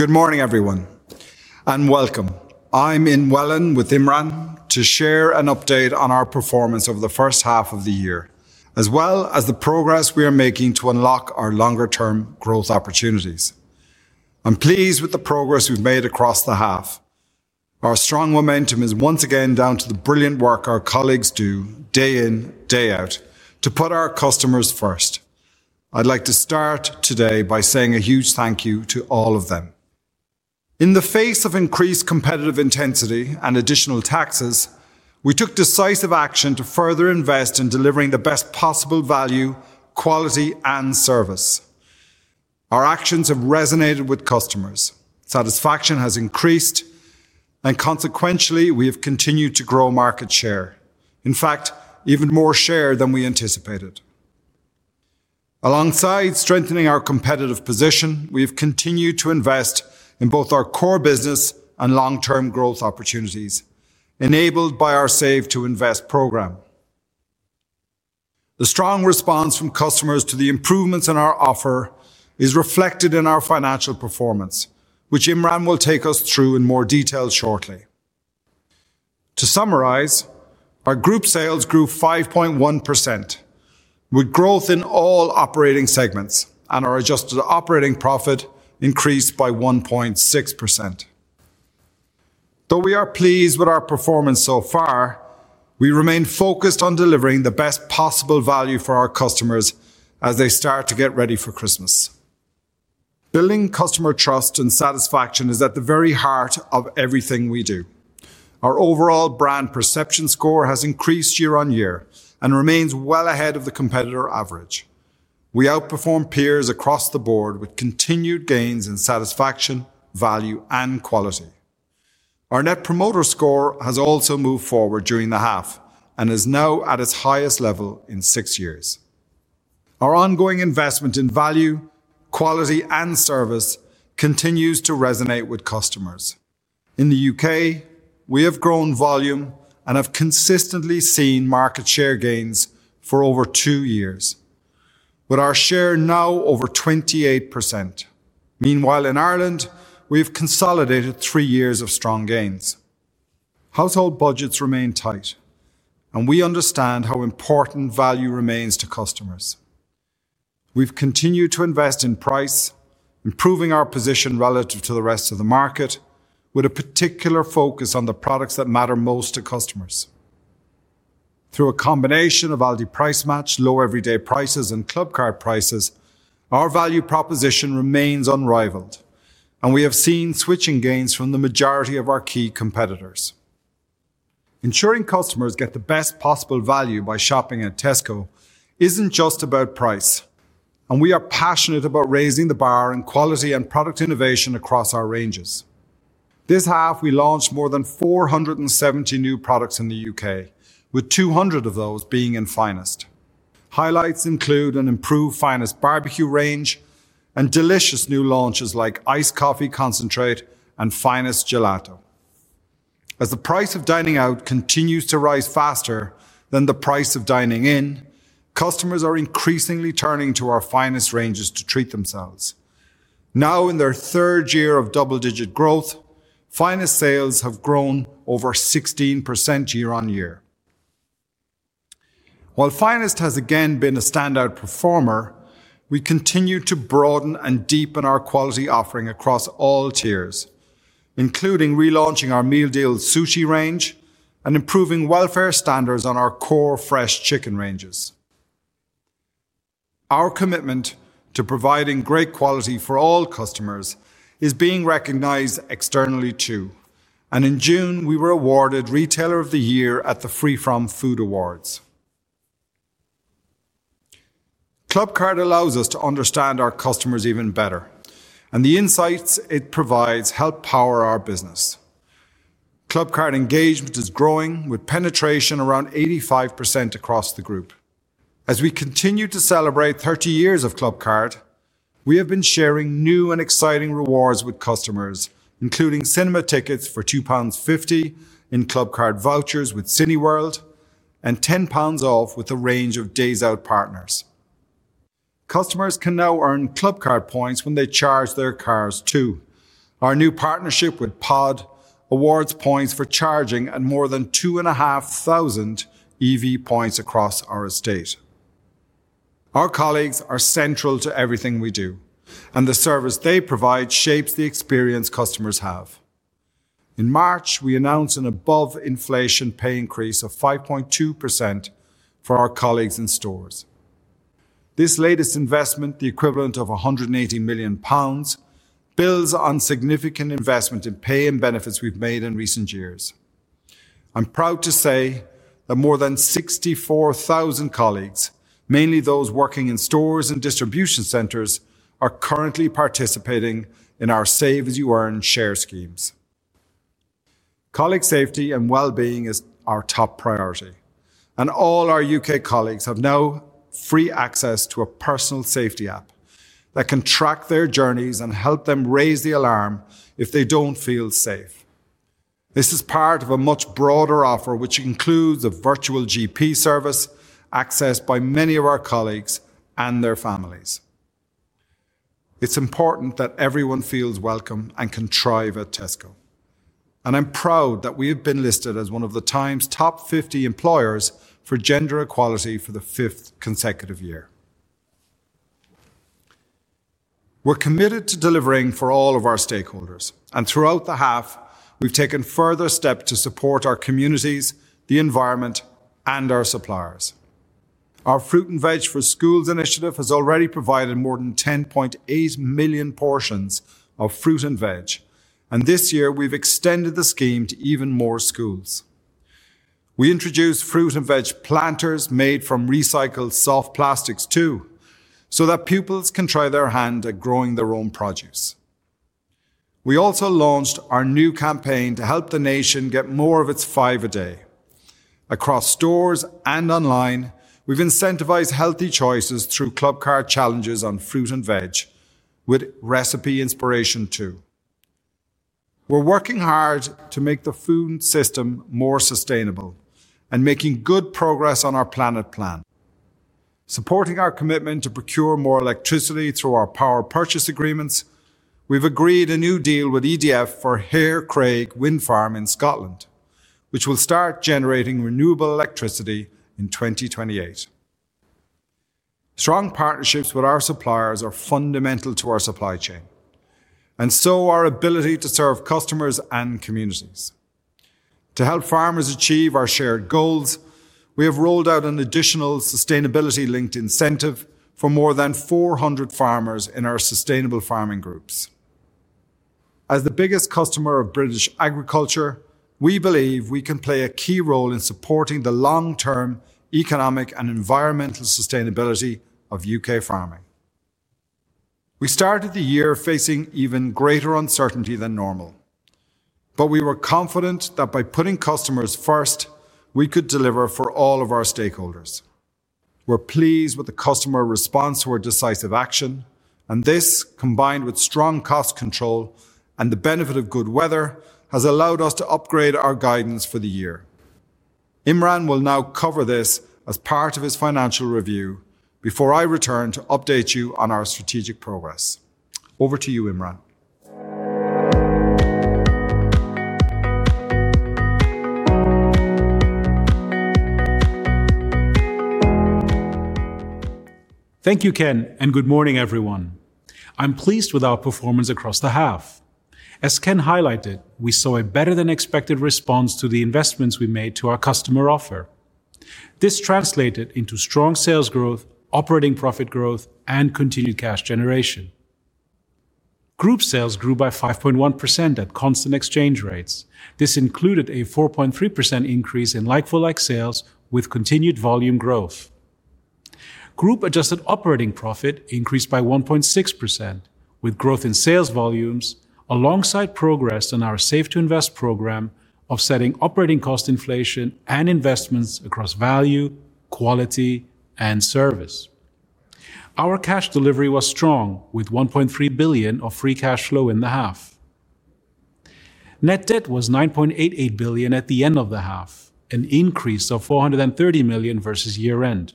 Good morning, everyone, and welcome. I'm in Welland with Imran to share an update on our performance over the first half of the year, as well as the progress we are making to unlock our longer-term growth opportunities. I'm pleased with the progress we've made across the half. Our strong momentum is once again down to the brilliant work our colleagues do, day in, day out, to put our customers first. I'd like to start today by saying a huge thank you to all of them. In the face of increased competitive intensity and additional taxes, we took decisive action to further invest in delivering the best possible value, quality, and service. Our actions have resonated with customers, satisfaction has increased, and consequentially, we have continued to grow market share. In fact, even more share than we anticipated. Alongside strengthening our competitive position, we have continued to invest in both our core business and long-term growth opportunities, enabled by our Save to Invest program. The strong response from customers to the improvements in our offer is reflected in our financial performance, which Imran will take us through in more detail shortly. To summarize, our group sales grew 5.1%, with growth in all operating segments, and our adjusted operating profit increased by 1.6%. Though we are pleased with our performance so far, we remain focused on delivering the best possible value for our customers as they start to get ready for Christmas. Building customer trust and satisfaction is at the very heart of everything we do. Our overall brand perception score has increased year on year and remains well ahead of the competitor average. We outperform peers across the board with continued gains in satisfaction, value, and quality. Our Net Promoter score has also moved forward during the half and is now at its highest level in six years. Our ongoing investment in value, quality, and service continues to resonate with customers. In the UK, we have grown volume and have consistently seen market share gains for over two years, with our share now over 28%. Meanwhile, in Ireland, we have consolidated three years of strong gains. Household budgets remain tight, and we understand how important value remains to customers. We've continued to invest in price, improving our position relative to the rest of the market, with a particular focus on the products that matter most to customers. Through a combination of Aldi Price Match, Low Everyday Prices, and Clubcard Prices, our value proposition remains unrivaled, and we have seen switching gains from the majority of our key competitors. Ensuring customers get the best possible value by shopping at Tesco isn't just about price, and we are passionate about raising the bar in quality and product innovation across our ranges. This half, we launched more than 470 new products in the UK, with 200 of those being in Finest. Highlights include an improved Finest barbecue range and delicious new launches like Iced Coffee Concentrate and Finest Gelato. As the price of dining out continues to rise faster than the price of dining in, customers are increasingly turning to our Finest ranges to treat themselves. Now, in their third year of double-digit growth, Finest sales have grown over 16% year on year. While Finest has again been a standout performer, we continue to broaden and deepen our quality offering across all tiers, including relaunching our Meal Deals Sushi range and improving welfare standards on our core Fresh Chicken ranges. Our commitment to providing great quality for all customers is being recognized externally too, and in June, we were awarded Retailer of the Year at the Freeform Food Awards. Clubcard allows us to understand our customers even better, and the insights it provides help power our business. Clubcard engagement is growing, with penetration around 85% across the group. As we continue to celebrate 30 years of Clubcard, we have been sharing new and exciting rewards with customers, including cinema tickets for £2.50 in Clubcard vouchers with Cineworld and £10 off with a range of days-out partners. Customers can now earn Clubcard points when they charge their cars too. Our new partnership with Pod awards points for charging and more than 2,500 EV points across our estate. Our colleagues are central to everything we do, and the service they provide shapes the experience customers have. In March, we announced an above-inflation pay increase of 5.2% for our colleagues in stores. This latest investment, the equivalent of £180 million, builds on significant investment in pay and benefits we've made in recent years. I'm proud to say that more than 64,000 colleagues, mainly those working in stores and distribution centers, are currently participating in our Save as You Earn share schemes. Colleague safety and well-being is our top priority, and all our UK colleagues now have free access to a personal safety app that can track their journeys and help them raise the alarm if they don't feel safe. This is part of a much broader offer, which includes a virtual GP service accessed by many of our colleagues and their families. It's important that everyone feels welcome and can thrive at Tesco, and I'm proud that we have been listed as one of The Times Top 50 Employers for Gender Equality for the fifth consecutive year. We're committed to delivering for all of our stakeholders, and throughout the half, we've taken further steps to support our communities, the environment, and our suppliers. Our Fruit and Veg for Schools initiative has already provided more than 10.8 million portions of fruit and veg, and this year, we've extended the scheme to even more schools. We introduced fruit and veg planters made from recycled soft plastics too, so that pupils can try their hand at growing their own produce. We also launched our new campaign to help the nation get more of its Five a Day. Across stores and online, we've incentivized healthy choices through Clubcard challenges on fruit and veg, with recipe inspiration too. We're working hard to make the food system more sustainable and making good progress on our Planet Plan. Supporting our commitment to procure more electricity through our power purchase agreements, we've agreed a new deal with EDF for Hare Craig Wind Farm in Scotland, which will start generating renewable electricity in 2028. Strong partnerships with our suppliers are fundamental to our supply chain, and to our ability to serve customers and communities. To help farmers achieve our shared goals, we have rolled out an additional sustainability-linked incentive for more than 400 farmers in our Sustainable Farming Groups. As the biggest customer of British agriculture, we believe we can play a key role in supporting the long-term economic and environmental sustainability of UK farming. We started the year facing even greater uncertainty than normal, but we were confident that by putting customers first, we could deliver for all of our stakeholders. We're pleased with the customer response to our decisive action, and this, combined with strong cost control and the benefit of good weather, has allowed us to upgrade our guidance for the year. Imran will now cover this as part of his financial review before I return to update you on our strategic progress. Over to you, Imran. Thank you, Ken, and good morning, everyone. I'm pleased with our performance across the half. As Ken highlighted, we saw a better-than-expected response to the investments we made to our customer offer. This translated into strong sales growth, operating profit growth, and continued cash generation. Group sales grew by 5.1% at constant exchange rates. This included a 4.3% increase in like-for-like sales, with continued volume growth. Group adjusted operating profit increased by 1.6%, with growth in sales volumes, alongside progress in our Save to Invest program, offsetting operating cost inflation and investments across value, quality, and service. Our cash delivery was strong, with £1.3 billion of free cash flow in the half. Net debt was £9.88 billion at the end of the half, an increase of £430 million versus year-end.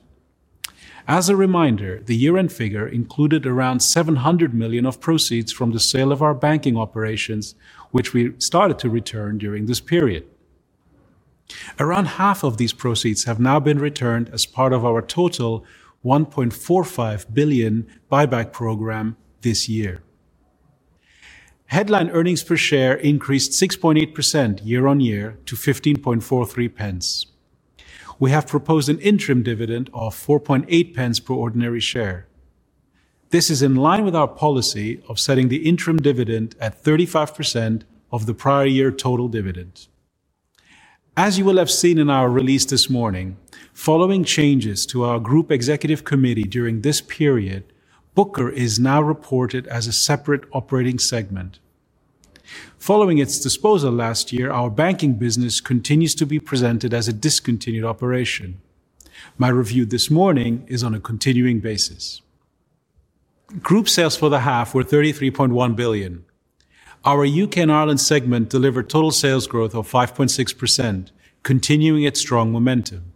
As a reminder, the year-end figure included around £700 million of proceeds from the sale of our banking operations, which we started to return during this period. Around half of these proceeds have now been returned as part of our total £1.45 billion buyback program this year. Headline earnings per share increased 6.8% year on year to 15.43 pence. We have proposed an interim dividend of 4.8 pence per ordinary share. This is in line with our policy of setting the interim dividend at 35% of the prior year total dividend. As you will have seen in our release this morning, following changes to our Group Executive Committee during this period, Booker is now reported as a separate operating segment. Following its disposal last year, our banking business continues to be presented as a discontinued operation. My review this morning is on a continuing basis. Group sales for the half were £33.1 billion. Our UK and Ireland segment delivered total sales growth of 5.6%, continuing its strong momentum.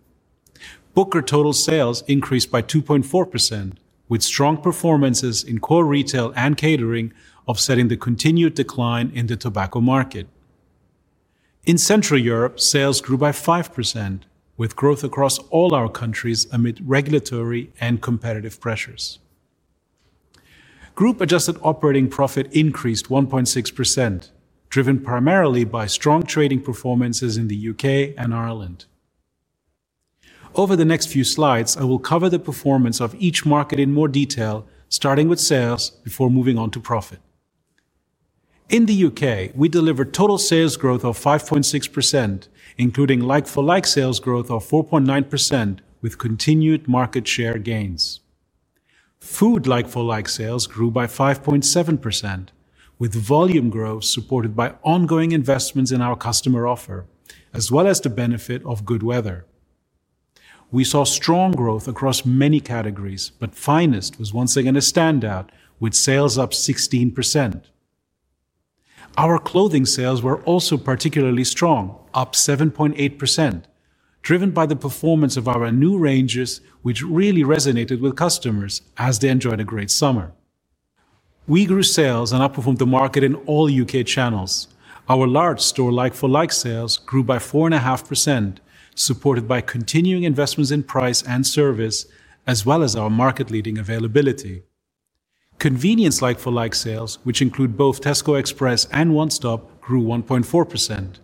Booker total sales increased by 2.4%, with strong performances in core retail and catering, offsetting the continued decline in the tobacco market. In Central Europe, sales grew by 5%, with growth across all our countries amid regulatory and competitive pressures. Group adjusted operating profit increased 1.6%, driven primarily by strong trading performances in the UK and Ireland. Over the next few slides, I will cover the performance of each market in more detail, starting with sales before moving on to profit. In the UK, we delivered total sales growth of 5.6%, including like-for-like sales growth of 4.9%, with continued market share gains. Food like-for-like sales grew by 5.7%, with volume growth supported by ongoing investments in our customer offer, as well as the benefit of good weather. We saw strong growth across many categories, but Finest was once again a standout, with sales up 16%. Our clothing sales were also particularly strong, up 7.8%, driven by the performance of our new ranges, which really resonated with customers as they enjoyed a great summer. We grew sales and outperformed the market in all UK channels. Our large store like-for-like sales grew by 4.5%, supported by continuing investments in price and service, as well as our market-leading availability. Convenience like-for-like sales, which include both Tesco Express and One Stop, grew 1.4%.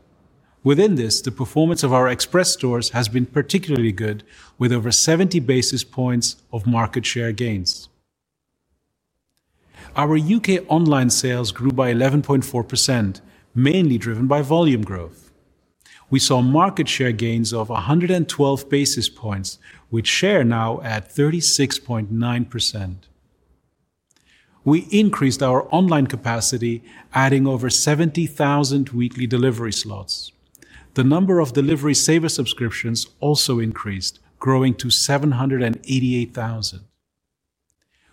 Within this, the performance of our Express stores has been particularly good, with over 70 basis points of market share gains. Our UK online sales grew by 11.4%, mainly driven by volume growth. We saw market share gains of 112 basis points, with share now at 36.9%. We increased our online capacity, adding over 70,000 weekly delivery slots. The number of Delivery Saver subscriptions also increased, growing to 788,000.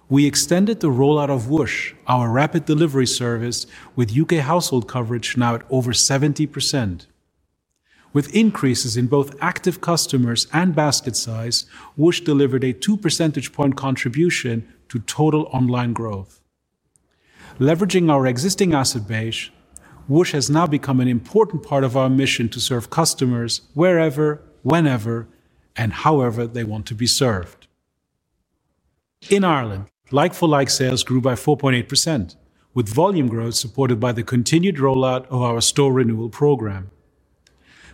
We extended the rollout of Whoosh, our rapid delivery service, with UK household coverage now at over 70%. With increases in both active customers and basket size, Whoosh delivered a 2% contribution to total online growth. Leveraging our existing asset base, Whoosh has now become an important part of our mission to serve customers wherever, whenever, and however they want to be served. In Ireland, like-for-like sales grew by 4.8%, with volume growth supported by the continued rollout of our store renewal program.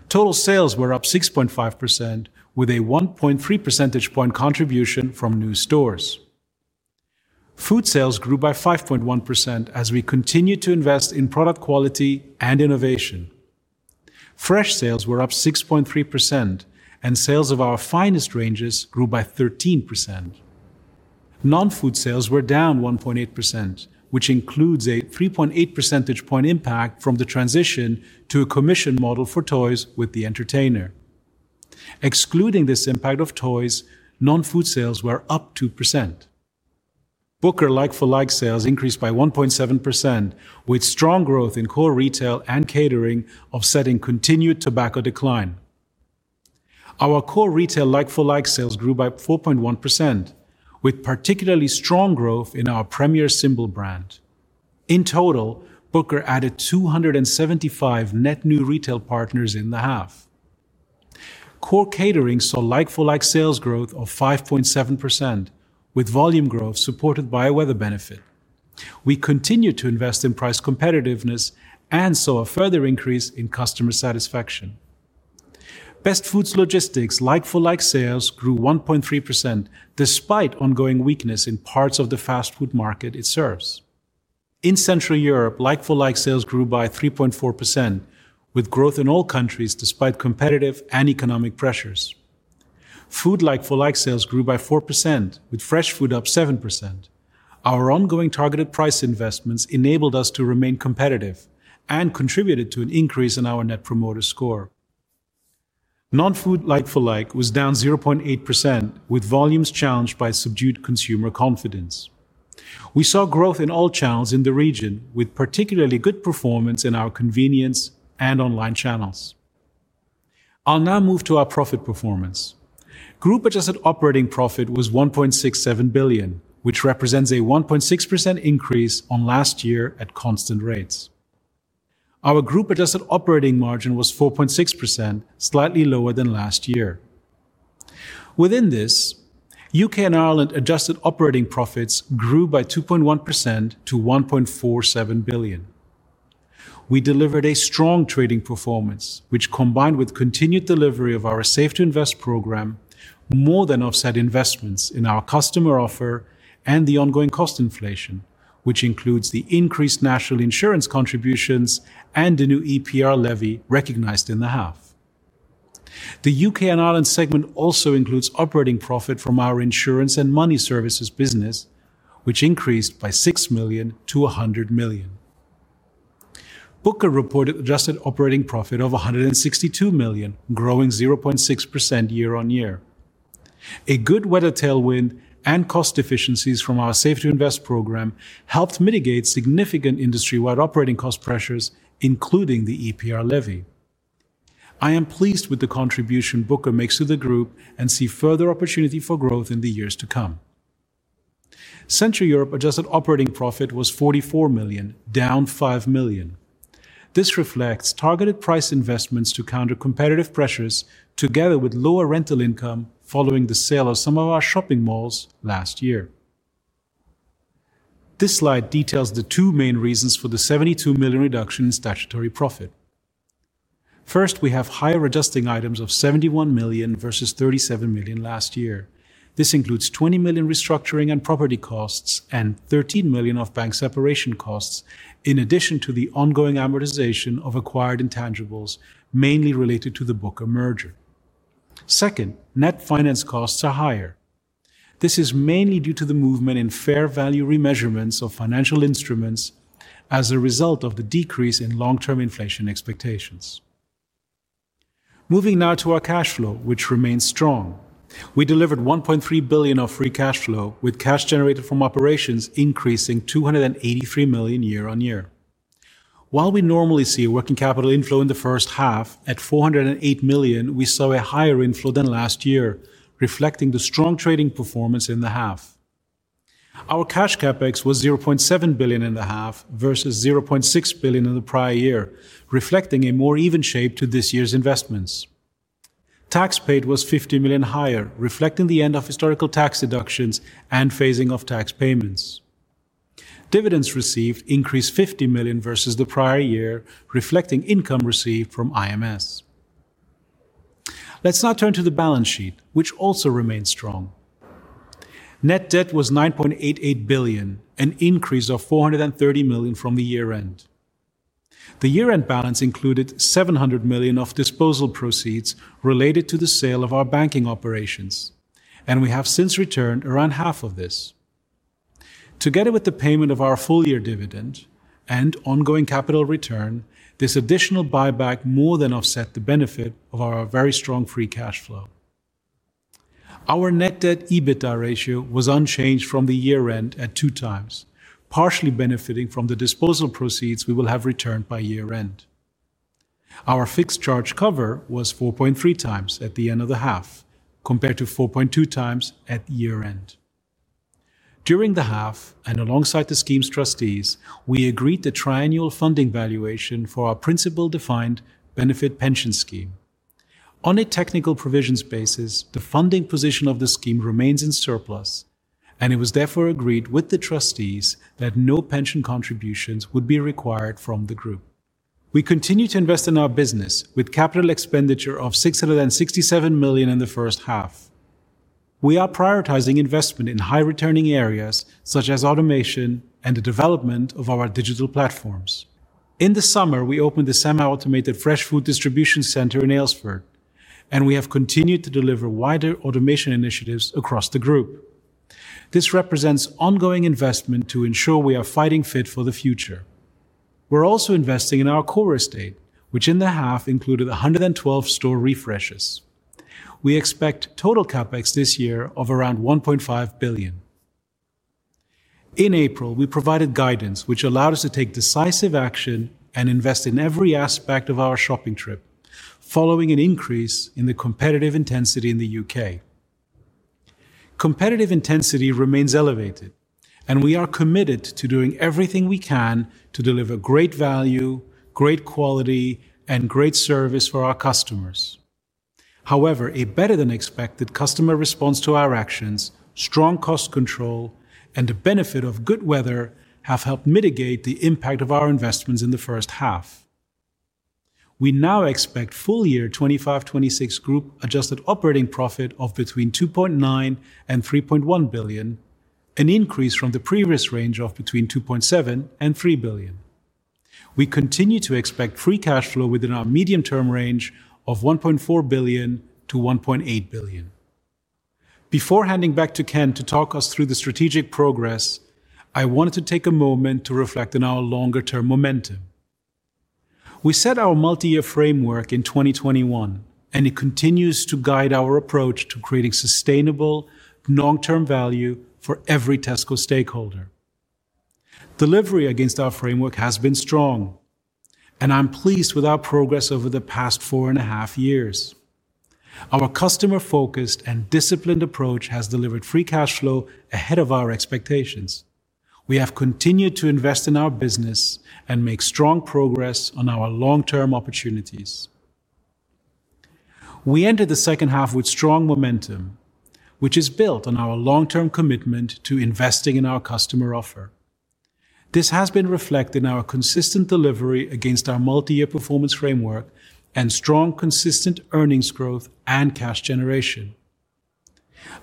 Total sales were up 6.5%, with a 1.3% contribution from new stores. Food sales grew by 5.1% as we continued to invest in product quality and innovation. Fresh sales were up 6.3%, and sales of our Finest ranges grew by 13%. Non-food sales were down 1.8%, which includes a 3.8% impact from the transition to a commission model for toys with The Entertainer. Excluding this impact of toys, non-food sales were up 2%. Booker like-for-like sales increased by 1.7%, with strong growth in core retail and catering, offsetting continued tobacco decline. Our core retail like-for-like sales grew by 4.1%, with particularly strong growth in our Premier symbol brand. In total, Booker added 275 net new retail partners in the half. Core catering saw like-for-like sales growth of 5.7%, with volume growth supported by a weather benefit. We continued to invest in price competitiveness and saw a further increase in customer satisfaction. Best Foods Logistics' like-for-like sales grew 1.3%, despite ongoing weakness in parts of the fast food market it serves. In Central Europe, like-for-like sales grew by 3.4%, with growth in all countries despite competitive and economic pressures. Food like-for-like sales grew by 4%, with Fresh Food up 7%. Our ongoing targeted price investments enabled us to remain competitive and contributed to an increase in our Net Promoter score. Non-food like-for-like was down 0.8%, with volumes challenged by subdued consumer confidence. We saw growth in all channels in the region, with particularly good performance in our convenience and online channels. I'll now move to our profit performance. Group adjusted operating profit was £1.67 billion, which represents a 1.6% increase on last year at constant rates. Our group adjusted operating margin was 4.6%, slightly lower than last year. Within this, UK and Ireland adjusted operating profits grew by 2.1% to £1.47 billion. We delivered a strong trading performance, which combined with continued delivery of our Save to Invest program, more than offset investments in our customer offer and the ongoing cost inflation, which includes the increased national insurance contributions and the new EPR levy recognized in the half. The UK and Ireland segment also includes operating profit from our insurance and money services business, which increased by £6 million to £100 million. Booker reported adjusted operating profit of £162 million, growing 0.6% year on year. A good weather tailwind and cost efficiencies from our Save to Invest program helped mitigate significant industry-wide operating cost pressures, including the EPR levy. I am pleased with the contribution Booker makes to the group and see further opportunity for growth in the years to come. Central Europe adjusted operating profit was £44 million, down £5 million. This reflects targeted price investments to counter competitive pressures, together with lower rental income following the sale of some of our shopping malls last year. This slide details the two main reasons for the £72 million reduction in statutory profit. First, we have higher adjusting items of £71 million versus £37 million last year. This includes £20 million restructuring and property costs and £13 million of bank separation costs, in addition to the ongoing amortization of acquired intangibles, mainly related to the Booker merger. Second, net finance costs are higher. This is mainly due to the movement in fair value remeasurements of financial instruments as a result of the decrease in long-term inflation expectations. Moving now to our cash flow, which remains strong. We delivered £1.3 billion of free cash flow, with cash generated from operations increasing £283 million year on year. While we normally see a working capital inflow in the first half, at £408 million, we saw a higher inflow than last year, reflecting the strong trading performance in the half. Our cash CapEx was £0.7 billion in the half versus £0.6 billion in the prior year, reflecting a more even shape to this year's investments. Tax paid was £50 million higher, reflecting the end of historical tax deductions and phasing of tax payments. Dividends received increased £50 million versus the prior year, reflecting income received from IMS. Let's now turn to the balance sheet, which also remains strong. Net debt was £9.88 billion, an increase of £430 million from the year-end. The year-end balance included £700 million of disposal proceeds related to the sale of our banking operations, and we have since returned around half of this. Together with the payment of our full-year dividend and ongoing capital return, this additional buyback more than offset the benefit of our very strong free cash flow. Our net debt EBITDA ratio was unchanged from the year-end at 2x, partially benefiting from the disposal proceeds we will have returned by year-end. Our fixed charge cover was 4.3x at the end of the half, compared to 4.2x at year-end. During the half, and alongside the scheme's trustees, we agreed the triennial funding valuation for our principal defined benefit pension scheme. On a technical provisions basis, the funding position of the scheme remains in surplus, and it was therefore agreed with the trustees that no pension contributions would be required from the group. We continue to invest in our business, with capital expenditure of £667 million in the first half. We are prioritizing investment in high-returning areas, such as automation and the development of our digital platforms. In the summer, we opened the semi-automated Fresh Food Distribution Center in Aylesford, and we have continued to deliver wider automation initiatives across the group. This represents ongoing investment to ensure we are fighting fit for the future. We're also investing in our core estate, which in the half included 112 store refreshes. We expect total CapEx this year of around £1.5 billion. In April, we provided guidance, which allowed us to take decisive action and invest in every aspect of our shopping trip, following an increase in the competitive intensity in the UK. Competitive intensity remains elevated, and we are committed to doing everything we can to deliver great value, great quality, and great service for our customers. However, a better-than-expected customer response to our actions, strong cost control, and the benefit of good weather have helped mitigate the impact of our investments in the first half. We now expect full-year 2025/2026 Group adjusted operating profit of between £2.9 billion and £3.1 billion, an increase from the previous range of between £2.7 billion and £3 billion. We continue to expect free cash flow within our medium-term range of £1.4 billion-£1.8 billion. Before handing back to Ken to talk us through the strategic progress, I wanted to take a moment to reflect on our longer-term momentum. We set our multi-year framework in 2021, and it continues to guide our approach to creating sustainable, long-term value for every Tesco stakeholder. Delivery against our framework has been strong, and I'm pleased with our progress over the past four and a half years. Our customer-focused and disciplined approach has delivered free cash flow ahead of our expectations. We have continued to invest in our business and make strong progress on our long-term opportunities. We entered the second half with strong momentum, which is built on our long-term commitment to investing in our customer offer. This has been reflected in our consistent delivery against our multi-year performance framework and strong, consistent earnings growth and cash generation.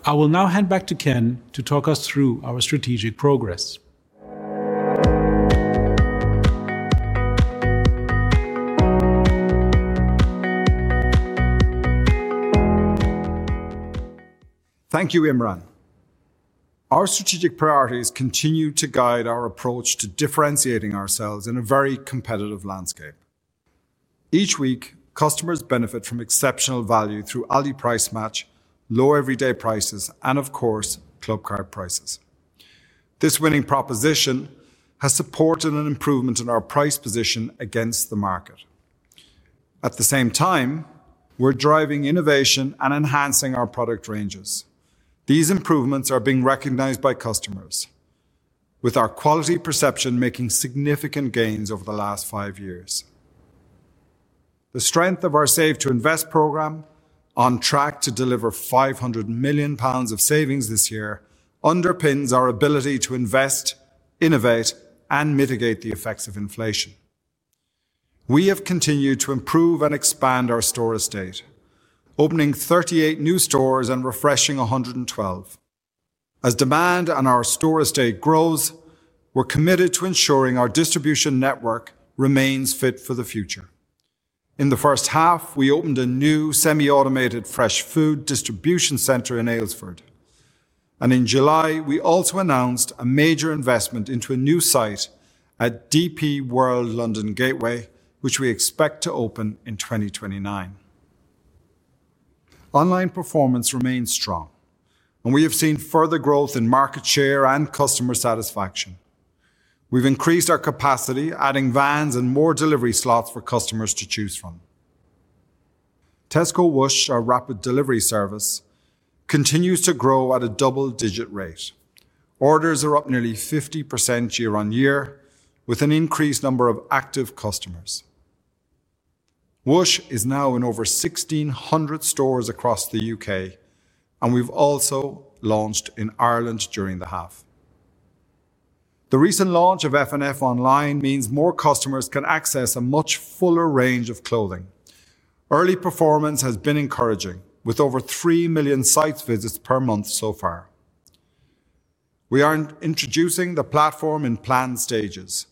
I will now hand back to Ken to talk us through our strategic progress. Thank you, Imran. Our strategic priorities continue to guide our approach to differentiating ourselves in a very competitive landscape. Each week, customers benefit from exceptional value through Aldi Price Match, Low Everyday Prices, and of course, Clubcard Prices. This winning proposition has supported an improvement in our price position against the market. At the same time, we're driving innovation and enhancing our product ranges. These improvements are being recognized by customers, with our quality perception making significant gains over the last five years. The strength of our Save to Invest program, on track to deliver £500 million of savings this year, underpins our ability to invest, innovate, and mitigate the effects of inflation. We have continued to improve and expand our store estate, opening 38 new stores and refreshing 112. As demand and our store estate grow, we're committed to ensuring our distribution network remains fit for the future. In the first half, we opened a new semi-automated Fresh Food Distribution Center in Aylesford, and in July, we also announced a major investment into a new site at DP World London Gateway, which we expect to open in 2029. Online performance remains strong, and we have seen further growth in market share and customer satisfaction. We've increased our capacity, adding vans and more delivery slots for customers to choose from. Tesco Whoosh, our rapid delivery service, continues to grow at a double-digit rate. Orders are up nearly 50% year on year, with an increased number of active customers. Whoosh is now in over 1,600 stores across the UK, and we've also launched in Ireland during the half. The recent launch of F&F Online means more customers can access a much fuller range of clothing. Early performance has been encouraging, with over 3 million site visits per month so far. We are introducing the platform in planned stages,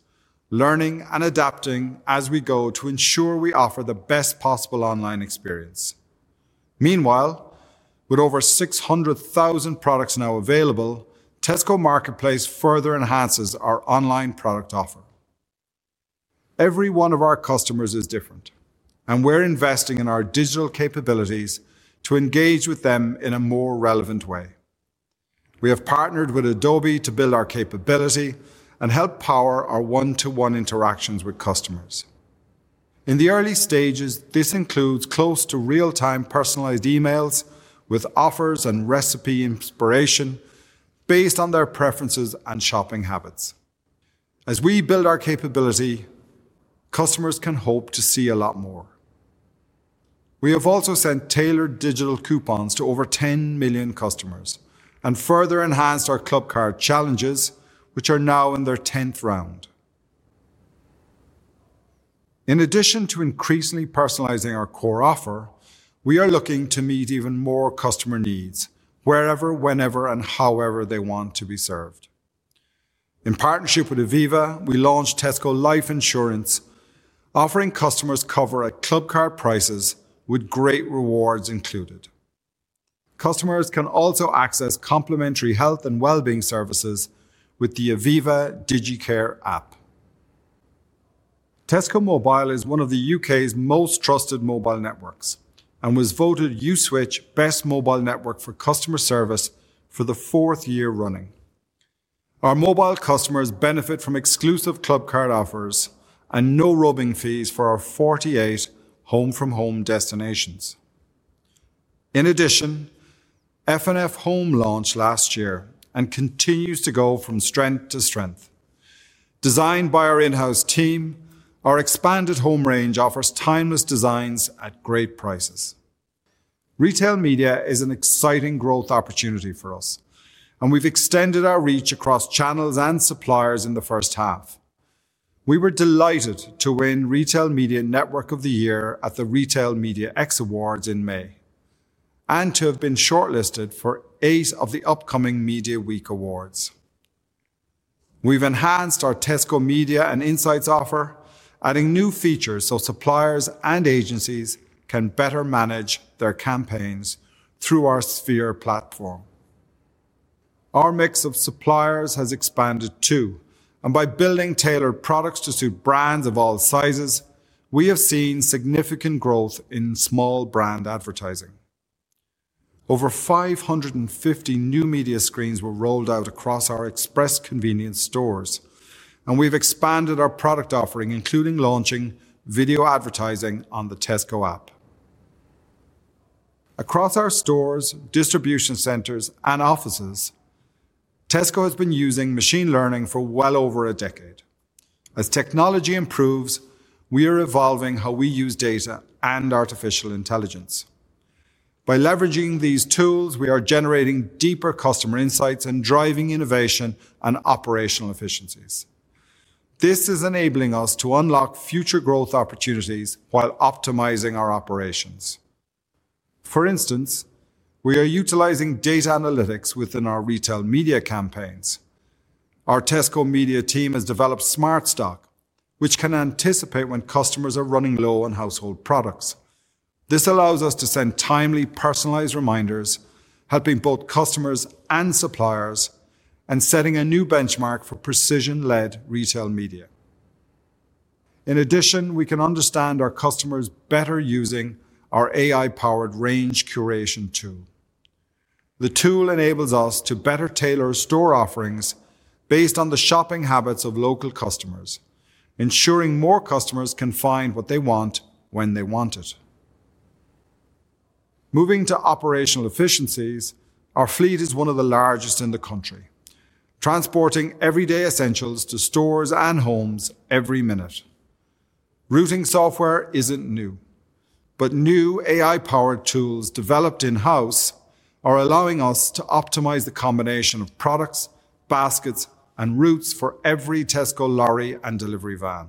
learning and adapting as we go to ensure we offer the best possible online experience. Meanwhile, with over 600,000 products now available, Tesco Marketplace further enhances our online product offer. Every one of our customers is different, and we're investing in our digital capabilities to engage with them in a more relevant way. We have partnered with Adobe to build our capability and help power our one-to-one interactions with customers. In the early stages, this includes close-to-real-time personalized emails with offers and recipe inspiration based on their preferences and shopping habits. As we build our capability, customers can hope to see a lot more. We have also sent tailored digital coupons to over 10 million customers and further enhanced our Clubcard challenges, which are now in their 10th round. In addition to increasingly personalizing our core offer, we are looking to meet even more customer needs, wherever, whenever, and however they want to be served. In partnership with Aviva, we launched Tesco Life Insurance, offering customers cover at Clubcard Prices with great rewards included. Customers can also access complimentary health and well-being services with the Aviva DigiCare app. Tesco Mobile is one of the UK's most trusted mobile networks and was voted U-Switch Best Mobile Network for Customer Service for the fourth year running. Our mobile customers benefit from exclusive Clubcard offers and no roaming fees for our 48 home-from-home destinations. In addition, F&F Home launched last year and continues to go from strength to strength. Designed by our in-house team, our expanded home range offers timeless designs at great prices. Retail media is an exciting growth opportunity for us, and we've extended our reach across channels and suppliers in the first half. We were delighted to win Retail Media Network of the Year at the Retail Media X Awards in May and to have been shortlisted for eight of the upcoming Media Week Awards. We've enhanced our Tesco Media and Insights offer, adding new features so suppliers and agencies can better manage their campaigns through our Sphere platform. Our mix of suppliers has expanded too, and by building tailored products to suit brands of all sizes, we have seen significant growth in small brand advertising. Over 550 new media screens were rolled out across our express convenience stores, and we've expanded our product offering, including launching video advertising on the Tesco app. Across our stores, distribution centers, and offices, Tesco has been using machine learning for well over a decade. As technology improves, we are evolving how we use data and artificial intelligence. By leveraging these tools, we are generating deeper customer insights and driving innovation and operational efficiencies. This is enabling us to unlock future growth opportunities while optimizing our operations. For instance, we are utilizing data analytics within our retail media campaigns. Our Tesco Media team has developed Smart Stock, which can anticipate when customers are running low on household products. This allows us to send timely, personalized reminders, helping both customers and suppliers, and setting a new benchmark for precision-led retail media. In addition, we can understand our customers better using our AI-powered range curation tool. The tool enables us to better tailor store offerings based on the shopping habits of local customers, ensuring more customers can find what they want when they want it. Moving to operational efficiencies, our fleet is one of the largest in the country, transporting everyday essentials to stores and homes every minute. Routing software isn't new, but new AI-powered tools developed in-house are allowing us to optimize the combination of products, baskets, and routes for every Tesco lorry and delivery van.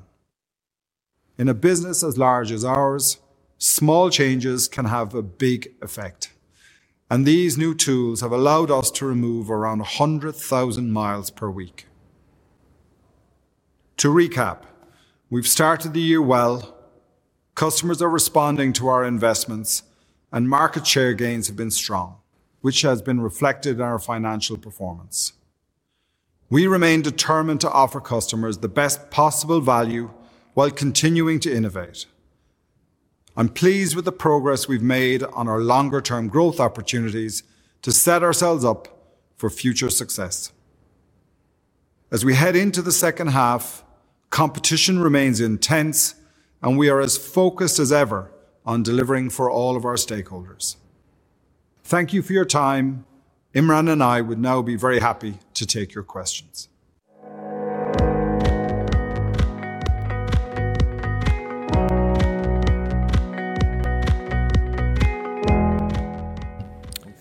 In a business as large as ours, small changes can have a big effect, and these new tools have allowed us to remove around 100,000 miles per week. To recap, we've started the year well, customers are responding to our investments, and market share gains have been strong, which has been reflected in our financial performance. We remain determined to offer customers the best possible value while continuing to innovate. I'm pleased with the progress we've made on our longer-term growth opportunities to set ourselves up for future success. As we head into the second half, competition remains intense, and we are as focused as ever on delivering for all of our stakeholders. Thank you for your time. Imran and I would now be very happy to take your questions.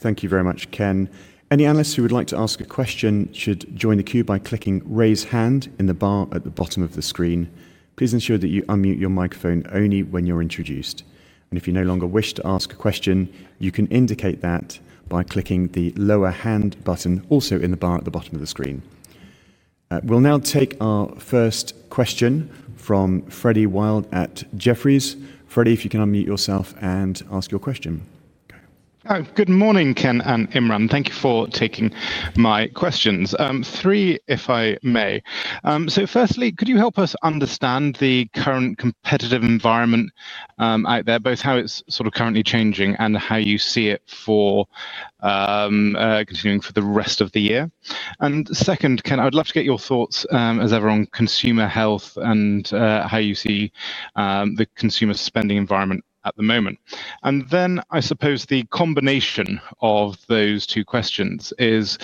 Thank you very much, Ken. Any analysts who would like to ask a question should join the queue by clicking "Raise Hand" in the bar at the bottom of the screen. Please ensure that you unmute your microphone only when you're introduced. If you no longer wish to ask a question, you can indicate that by clicking the "Lower Hand" button also in the bar at the bottom of the screen. We'll now take our first question from Freddie Wild at Jefferies. Freddie, if you can unmute yourself and ask your question. Good morning, Ken and Imran. Thank you for taking my questions. Three, if I may. Firstly, could you help us understand the current competitive environment out there, both how it's currently changing and how you see it continuing for the rest of the year? Second, Ken, I would love to get your thoughts as ever on consumer health and how you see the consumer spending environment at the moment. I suppose the combination of those two questions is,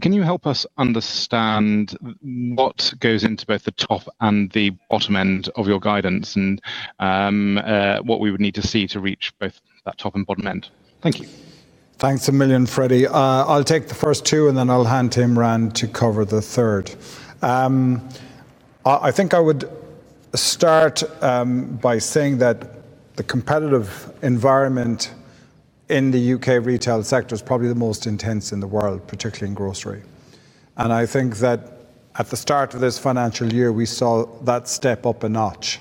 can you help us understand what goes into both the top and the bottom end of your guidance and what we would need to see to reach both that top and bottom end? Thank you. Thanks a million, Freddie. I'll take the first two, and then I'll hand to Imran to cover the third. I think I would start by saying that the competitive environment in the UK retail sector is probably the most intense in the world, particularly in grocery. I think that at the start of this financial year, we saw that step up a notch.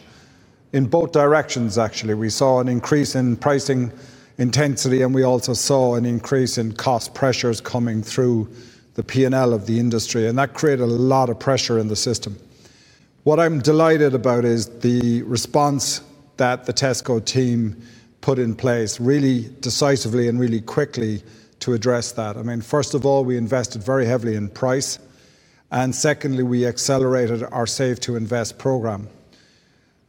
In both directions, actually, we saw an increase in pricing intensity, and we also saw an increase in cost pressures coming through the P&L of the industry, and that created a lot of pressure in the system. What I'm delighted about is the response that the Tesco team put in place really decisively and really quickly to address that. First of all, we invested very heavily in price, and secondly, we accelerated our Save to Invest program.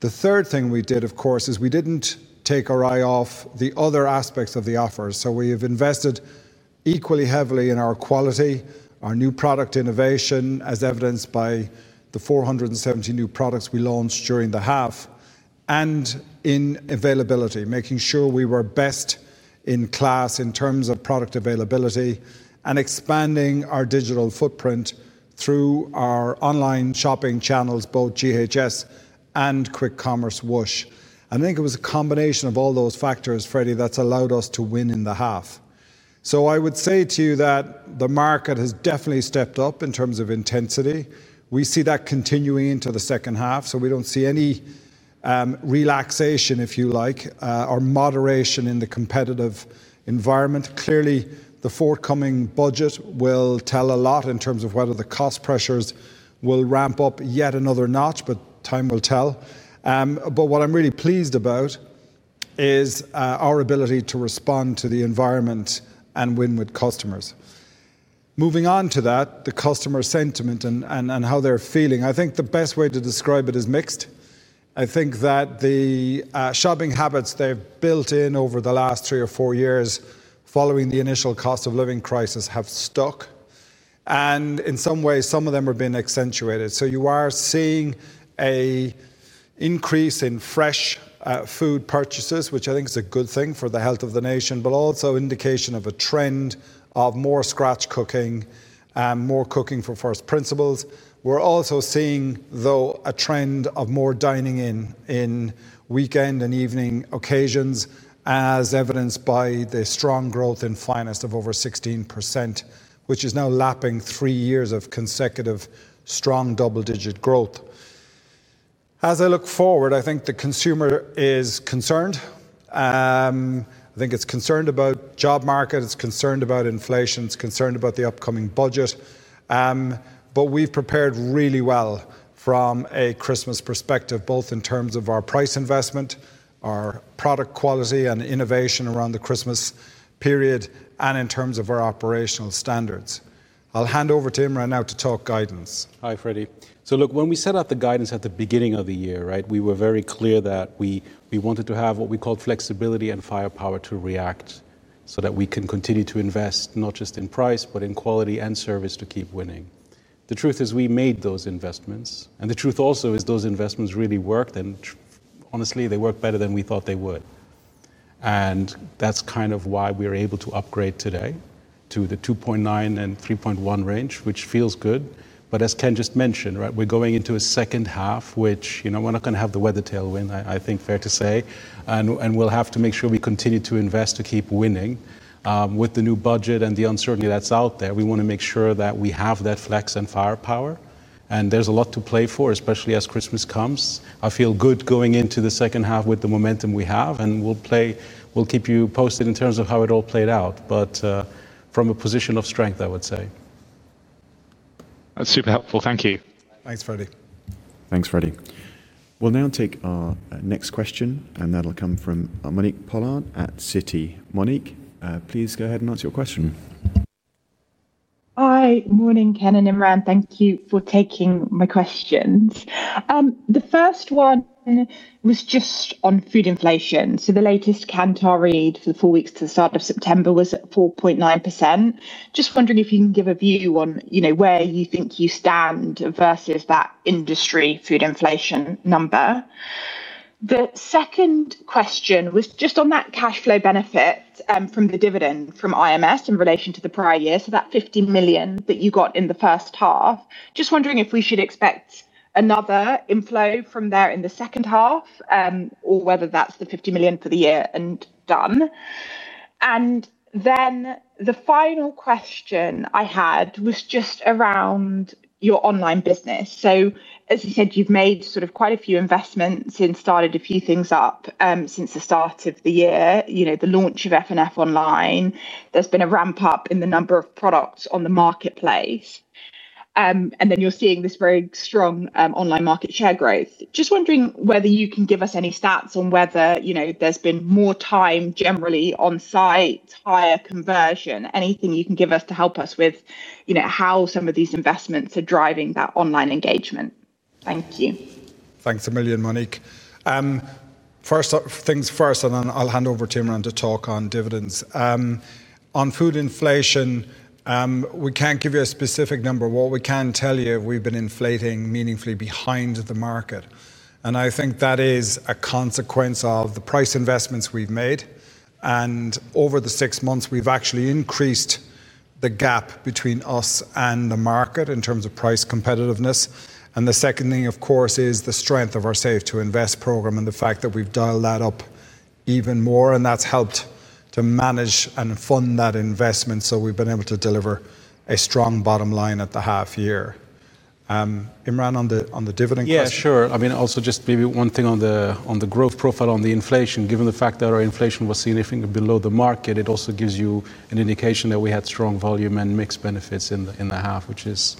The third thing we did, of course, is we didn't take our eye off the other aspects of the offer. We have invested equally heavily in our quality, our new product innovation, as evidenced by the 470 new products we launched during the half, and in availability, making sure we were best in class in terms of product availability and expanding our digital footprint through our online shopping channels, both GHS and QuickCommerce Whoosh. I think it was a combination of all those factors, Freddie, that's allowed us to win in the half. I would say to you that the market has definitely stepped up in terms of intensity. We see that continuing into the second half, so we don't see any relaxation, if you like, or moderation in the competitive environment. Clearly, the forthcoming budget will tell a lot in terms of whether the cost pressures will ramp up yet another notch, but time will tell. What I'm really pleased about is our ability to respond to the environment and win with customers. Moving on to that, the customer sentiment and how they're feeling, I think the best way to describe it is mixed. I think that the shopping habits they've built in over the last three or four years following the initial cost of living crisis have stuck, and in some ways, some of them are being accentuated. You are seeing an increase in fresh food purchases, which I think is a good thing for the health of the nation, but also an indication of a trend of more scratch cooking and more cooking from first principles. We're also seeing, though, a trend of more dining in in weekend and evening occasions, as evidenced by the strong growth in Finest of over 16%, which is now lapping three years of consecutive strong double-digit growth. As I look forward, I think the consumer is concerned. I think it's concerned about the job market, it's concerned about inflation, it's concerned about the upcoming budget. We've prepared really well from a Christmas perspective, both in terms of our price investment, our product quality, and innovation around the Christmas period, and in terms of our operational standards. I'll hand over to Imran now to talk guidance. Hi, Freddie. When we set out the guidance at the beginning of the year, we were very clear that we wanted to have what we called flexibility and firepower to react so that we can continue to invest not just in price, but in quality and service to keep winning. The truth is we made those investments, and the truth also is those investments really worked, and honestly, they worked better than we thought they would. That is kind of why we're able to upgrade today to the £2.9 billion and £3.1 billion range, which feels good. As Ken just mentioned, we're going into a second half, which we're not going to have the weather tailwind, I think fair to say, and we'll have to make sure we continue to invest to keep winning. With the new budget and the uncertainty that's out there, we want to make sure that we have that flex and firepower, and there's a lot to play for, especially as Christmas comes. I feel good going into the second half with the momentum we have, and we'll keep you posted in terms of how it all played out, but from a position of strength, I would say. That's super helpful. Thank you. Thanks, Freddie. Thanks, Freddie. We'll now take our next question, and that'll come from Monique Pollard at Citi. Monique, please go ahead and ask your question. Hi, morning, Ken and Imran. Thank you for taking my questions. The first one was just on food inflation. The latest canned target for the four weeks to the start of September was 4.9%. Just wondering if you can give a view on where you think you stand versus that industry food inflation number. The second question was just on that cash flow benefit from the dividend from IMS in relation to the prior year. That £50 million that you got in the first half, just wondering if we should expect another inflow from there in the second half or whether that's the £50 million for the year and done. The final question I had was just around your online business. As you said, you've made sort of quite a few investments and started a few things up since the start of the year. The launch of F&F Online, there's been a ramp-up in the number of products on the marketplace. You're seeing this very strong online market share growth. Just wondering whether you can give us any stats on whether there's been more time generally on site, higher conversion, anything you can give us to help us with how some of these investments are driving that online engagement. Thank you. Thanks a million, Monique. First up, things first, and then I'll hand over to Imran to talk on dividends. On food inflation, we can't give you a specific number. What we can tell you is we've been inflating meaningfully behind the market. I think that is a consequence of the price investments we've made. Over the six months, we've actually increased the gap between us and the market in terms of price competitiveness. The second thing, of course, is the strength of our Save to Invest program and the fact that we've dialed that up even more, and that's helped to manage and fund that investment so we've been able to deliver a strong bottom line at the half year. Imran, on the dividend question? Yeah, sure. I mean, also just maybe one thing on the growth profile on the inflation, given the fact that our inflation was significantly below the market, it also gives you an indication that we had strong volume and mix benefits in the half, which is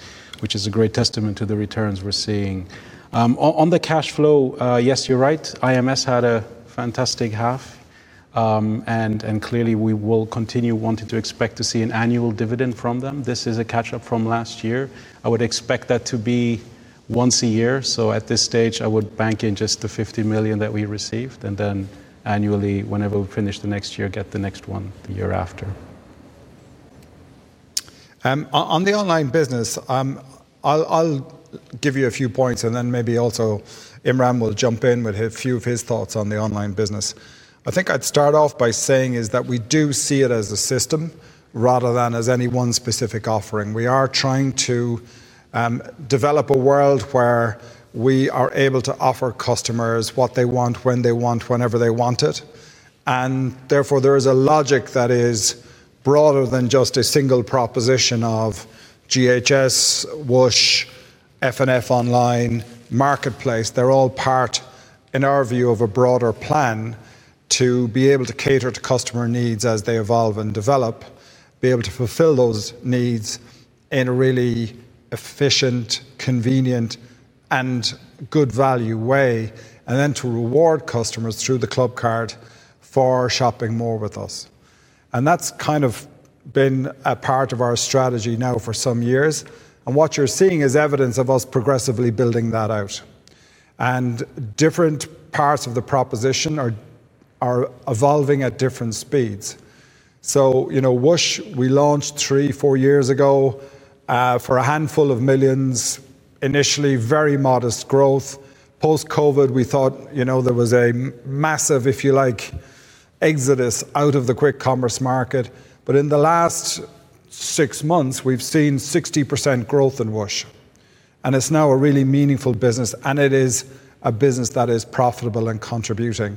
a great testament to the returns we're seeing. On the cash flow, yes, you're right. IMS had a fantastic half, and clearly we will continue wanting to expect to see an annual dividend from them. This is a catch-up from last year. I would expect that to be once a year. At this stage, I would bank in just the £50 million that we received, and then annually, whenever we finish the next year, get the next one the year after. On the online business, I'll give you a few points, and then maybe also Imran will jump in with a few of his thoughts on the online business. I think I'd start off by saying that we do see it as a system rather than as any one specific offering. We are trying to develop a world where we are able to offer customers what they want, when they want, whenever they want it. Therefore, there is a logic that is broader than just a single proposition of GHS, Whoosh, F&F Online, Marketplace. They're all part, in our view, of a broader plan to be able to cater to customer needs as they evolve and develop, be able to fulfill those needs in a really efficient, convenient, and good value way, and then to reward customers through the Clubcard for shopping more with us. That's kind of been a part of our strategy now for some years. What you're seeing is evidence of us progressively building that out. Different parts of the proposition are evolving at different speeds. You know, Whoosh, we launched three, four years ago for a handful of millions, initially very modest growth. Post-COVID, we thought there was a massive, if you like, exodus out of the QuickCommerce market. In the last six months, we've seen 60% growth in Whoosh. It's now a really meaningful business, and it is a business that is profitable and contributing.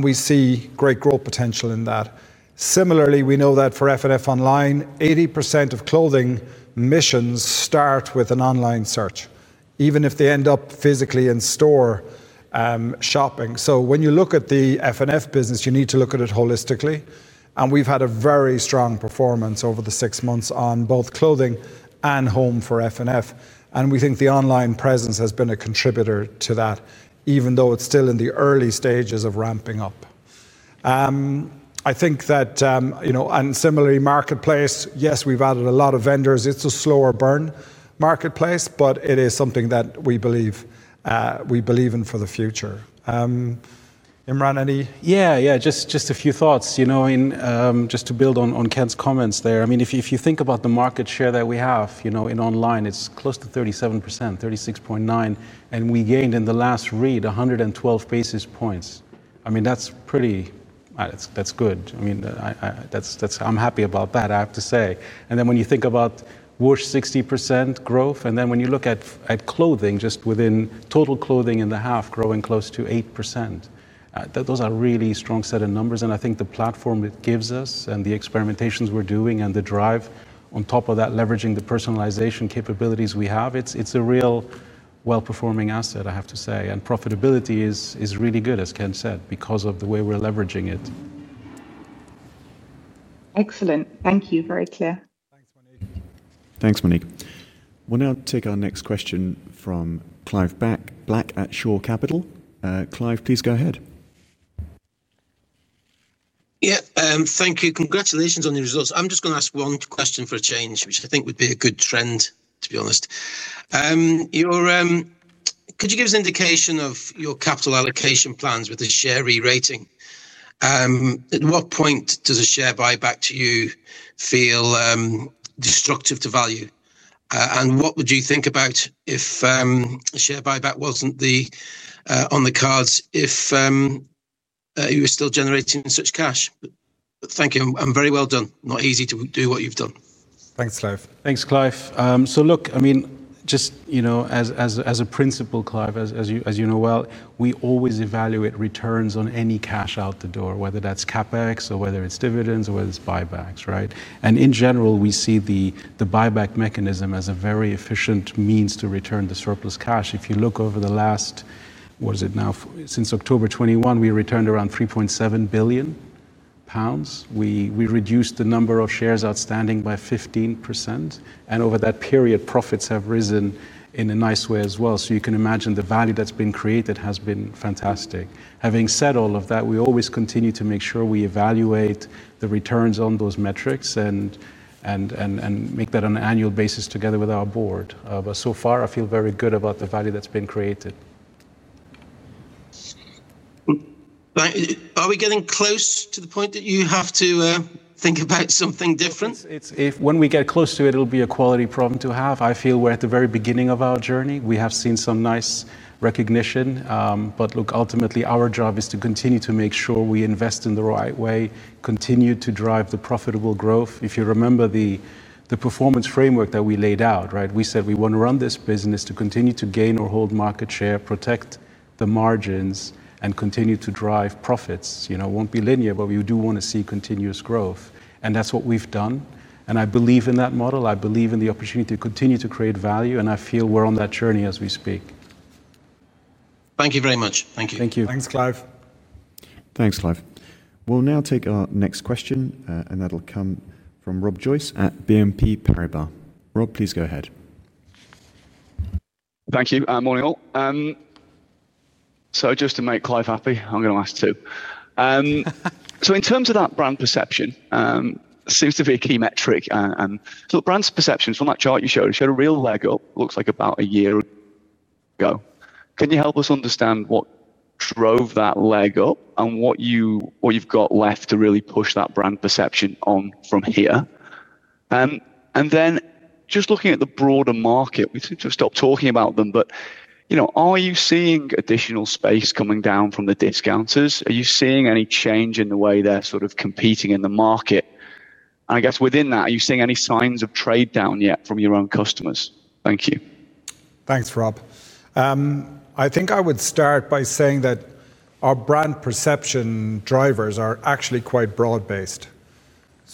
We see great growth potential in that. Similarly, we know that for F&F Online, 80% of clothing missions start with an online search, even if they end up physically in store shopping. When you look at the F&F business, you need to look at it holistically. We've had a very strong performance over the six months on both clothing and home for F&F. We think the online presence has been a contributor to that, even though it's still in the early stages of ramping up. I think that, you know, and similarly, Marketplace, yes, we've added a lot of vendors. It's a slower burn Marketplace, but it is something that we believe in for the future. Imran, any? Yeah, just a few thoughts. You know, just to build on Ken's comments there, I mean, if you think about the market share that we have in online, it's close to 37%, 36.9%. We gained in the last read 112 basis points. I mean, that's pretty, that's good. I'm happy about that, I have to say. When you think about Whoosh's 60% growth, and then when you look at clothing, just within total clothing in the half, growing close to 8%. Those are really strong set of numbers. I think the platform it gives us and the experimentations we're doing and the drive on top of that, leveraging the personalization capabilities we have, it's a real well-performing asset, I have to say. Profitability is really good, as Ken said, because of the way we're leveraging it. Excellent. Thank you, very clear. Thanks, Monique. We'll now take our next question from Clive Black at Shore Capital. Clive, please go ahead. Yeah, thank you. Congratulations on your results. I'm just going to ask one question for a change, which I think would be a good trend, to be honest. Could you give us an indication of your capital allocation plans with a share re-rating? At what point does a share buyback to you feel destructive to value? What would you think about if a share buyback wasn't on the cards if you were still generating such cash? Thank you. Very well done. Not easy to do what you've done. Thanks, Clive. So look, I mean, just, you know, as a principal, Clive, as you know well, we always evaluate returns on any cash out the door, whether that's CapEx or whether it's dividends or whether it's buybacks, right? In general, we see the buyback mechanism as a very efficient means to return the surplus cash. If you look over the last, what is it now, since October 2021, we returned around £3.7 billion. We reduced the number of shares outstanding by 15%. Over that period, profits have risen in a nice way as well. You can imagine the value that's been created has been fantastic. Having said all of that, we always continue to make sure we evaluate the returns on those metrics and make that on an annual basis together with our board. So far, I feel very good about the value that's been created. Are we getting close to the point that you have to think about something different? When we get close to it, it'll be a quality problem to have. I feel we're at the very beginning of our journey. We have seen some nice recognition. Ultimately, our job is to continue to make sure we invest in the right way, continue to drive the profitable growth. If you remember the performance framework that we laid out, right? We said we want to run this business to continue to gain or hold market share, protect the margins, and continue to drive profits. It won't be linear, but we do want to see continuous growth. That's what we've done. I believe in that model. I believe in the opportunity to continue to create value. I feel we're on that journey as we speak. Thank you very much. Thank you. Thank you. Thanks, Clive. Thanks, Clive. We'll now take our next question, and that'll come from Rob Joyce at BNP Paribas. Rob, please go ahead. Thank you. Morning all. Just to make Clive happy, I'm going to ask two. In terms of that brand perception, it seems to be a key metric. Brand perceptions from that chart you showed, it showed a real leg up, looks like about a year ago. Can you help us understand what drove that leg up and what you've got left to really push that brand perception on from here? Just looking at the broader market, we didn't just stop talking about them, but you know, are you seeing additional space coming down from the discounters? Are you seeing any change in the way they're sort of competing in the market? I guess within that, are you seeing any signs of trade down yet from your own customers? Thank you. Thanks, Rob. I think I would start by saying that our brand perception drivers are actually quite broad-based.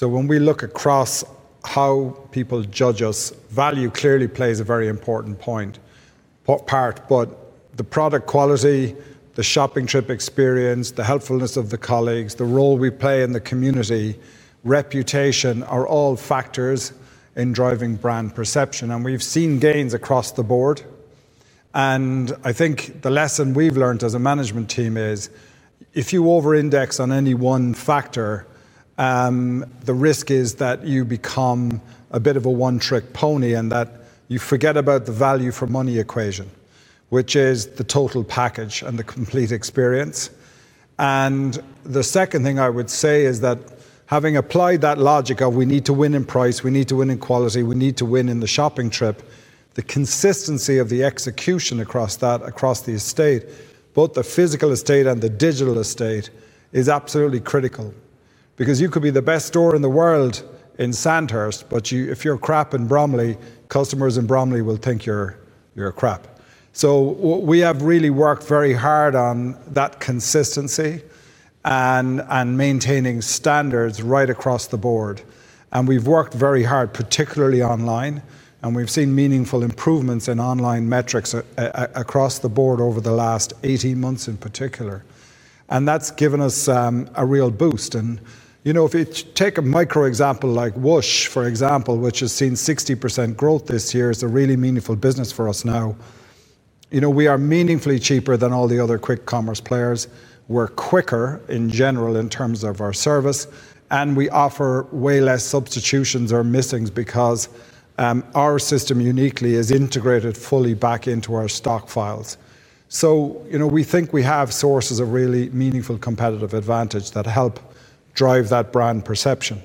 When we look across how people judge us, value clearly plays a very important part. The product quality, the shopping trip experience, the helpfulness of the colleagues, the role we play in the community, and reputation are all factors in driving brand perception. We've seen gains across the board. I think the lesson we've learned as a management team is if you over-index on any one factor, the risk is that you become a bit of a one-trick pony and that you forget about the value for money equation, which is the total package and the complete experience. The second thing I would say is that having applied that logic of we need to win in price, we need to win in quality, we need to win in the shopping trip, the consistency of the execution across that, across the estate, both the physical estate and the digital estate, is absolutely critical. You could be the best store in the world in Sandhurst, but if you're crap in Bromley, customers in Bromley will think you're crap. We have really worked very hard on that consistency and maintaining standards right across the board. We've worked very hard, particularly online. We've seen meaningful improvements in online metrics across the board over the last 18 months in particular. That's given us a real boost. If you take a micro example like Whoosh, for example, which has seen 60% growth this year, it is a really meaningful business for us now. We are meaningfully cheaper than all the other QuickCommerce players. We're quicker in general in terms of our service. We offer way less substitutions or missings because our system uniquely is integrated fully back into our stockpiles. We think we have sources of really meaningful competitive advantage that help drive that brand perception.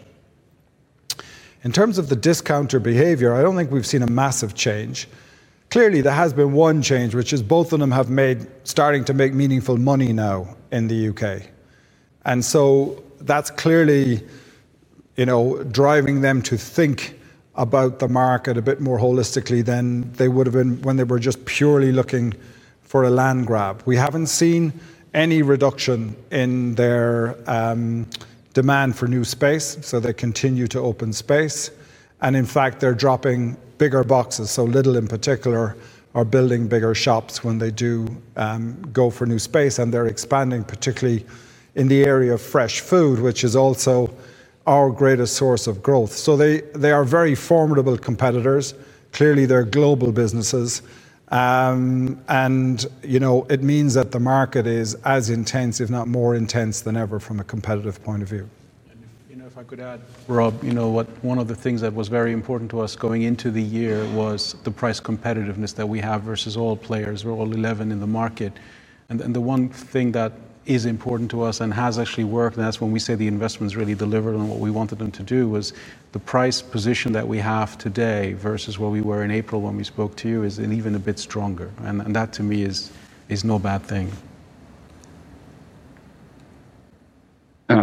In terms of the discounter behavior, I don't think we've seen a massive change. Clearly, there has been one change, which is both of them have started to make meaningful money now in the UK. That's clearly driving them to think about the market a bit more holistically than they would have been when they were just purely looking for a land grab. We haven't seen any reduction in their demand for new space, so they continue to open space. In fact, they're dropping bigger boxes. Lidl, in particular, are building bigger shops when they do go for new space, and they're expanding, particularly in the area of fresh food, which is also our greatest source of growth. They are very formidable competitors. Clearly, they're global businesses. It means that the market is as intense, if not more intense than ever from a competitive point of view. If I could add, Rob, one of the things that was very important to us going into the year was the price competitiveness that we have versus all players. We're all 11 in the market. The one thing that is important to us and has actually worked, and that's when we say the investment's really delivered on what we wanted them to do, was the price position that we have today versus where we were in April when we spoke to you is even a bit stronger. That, to me, is no bad thing.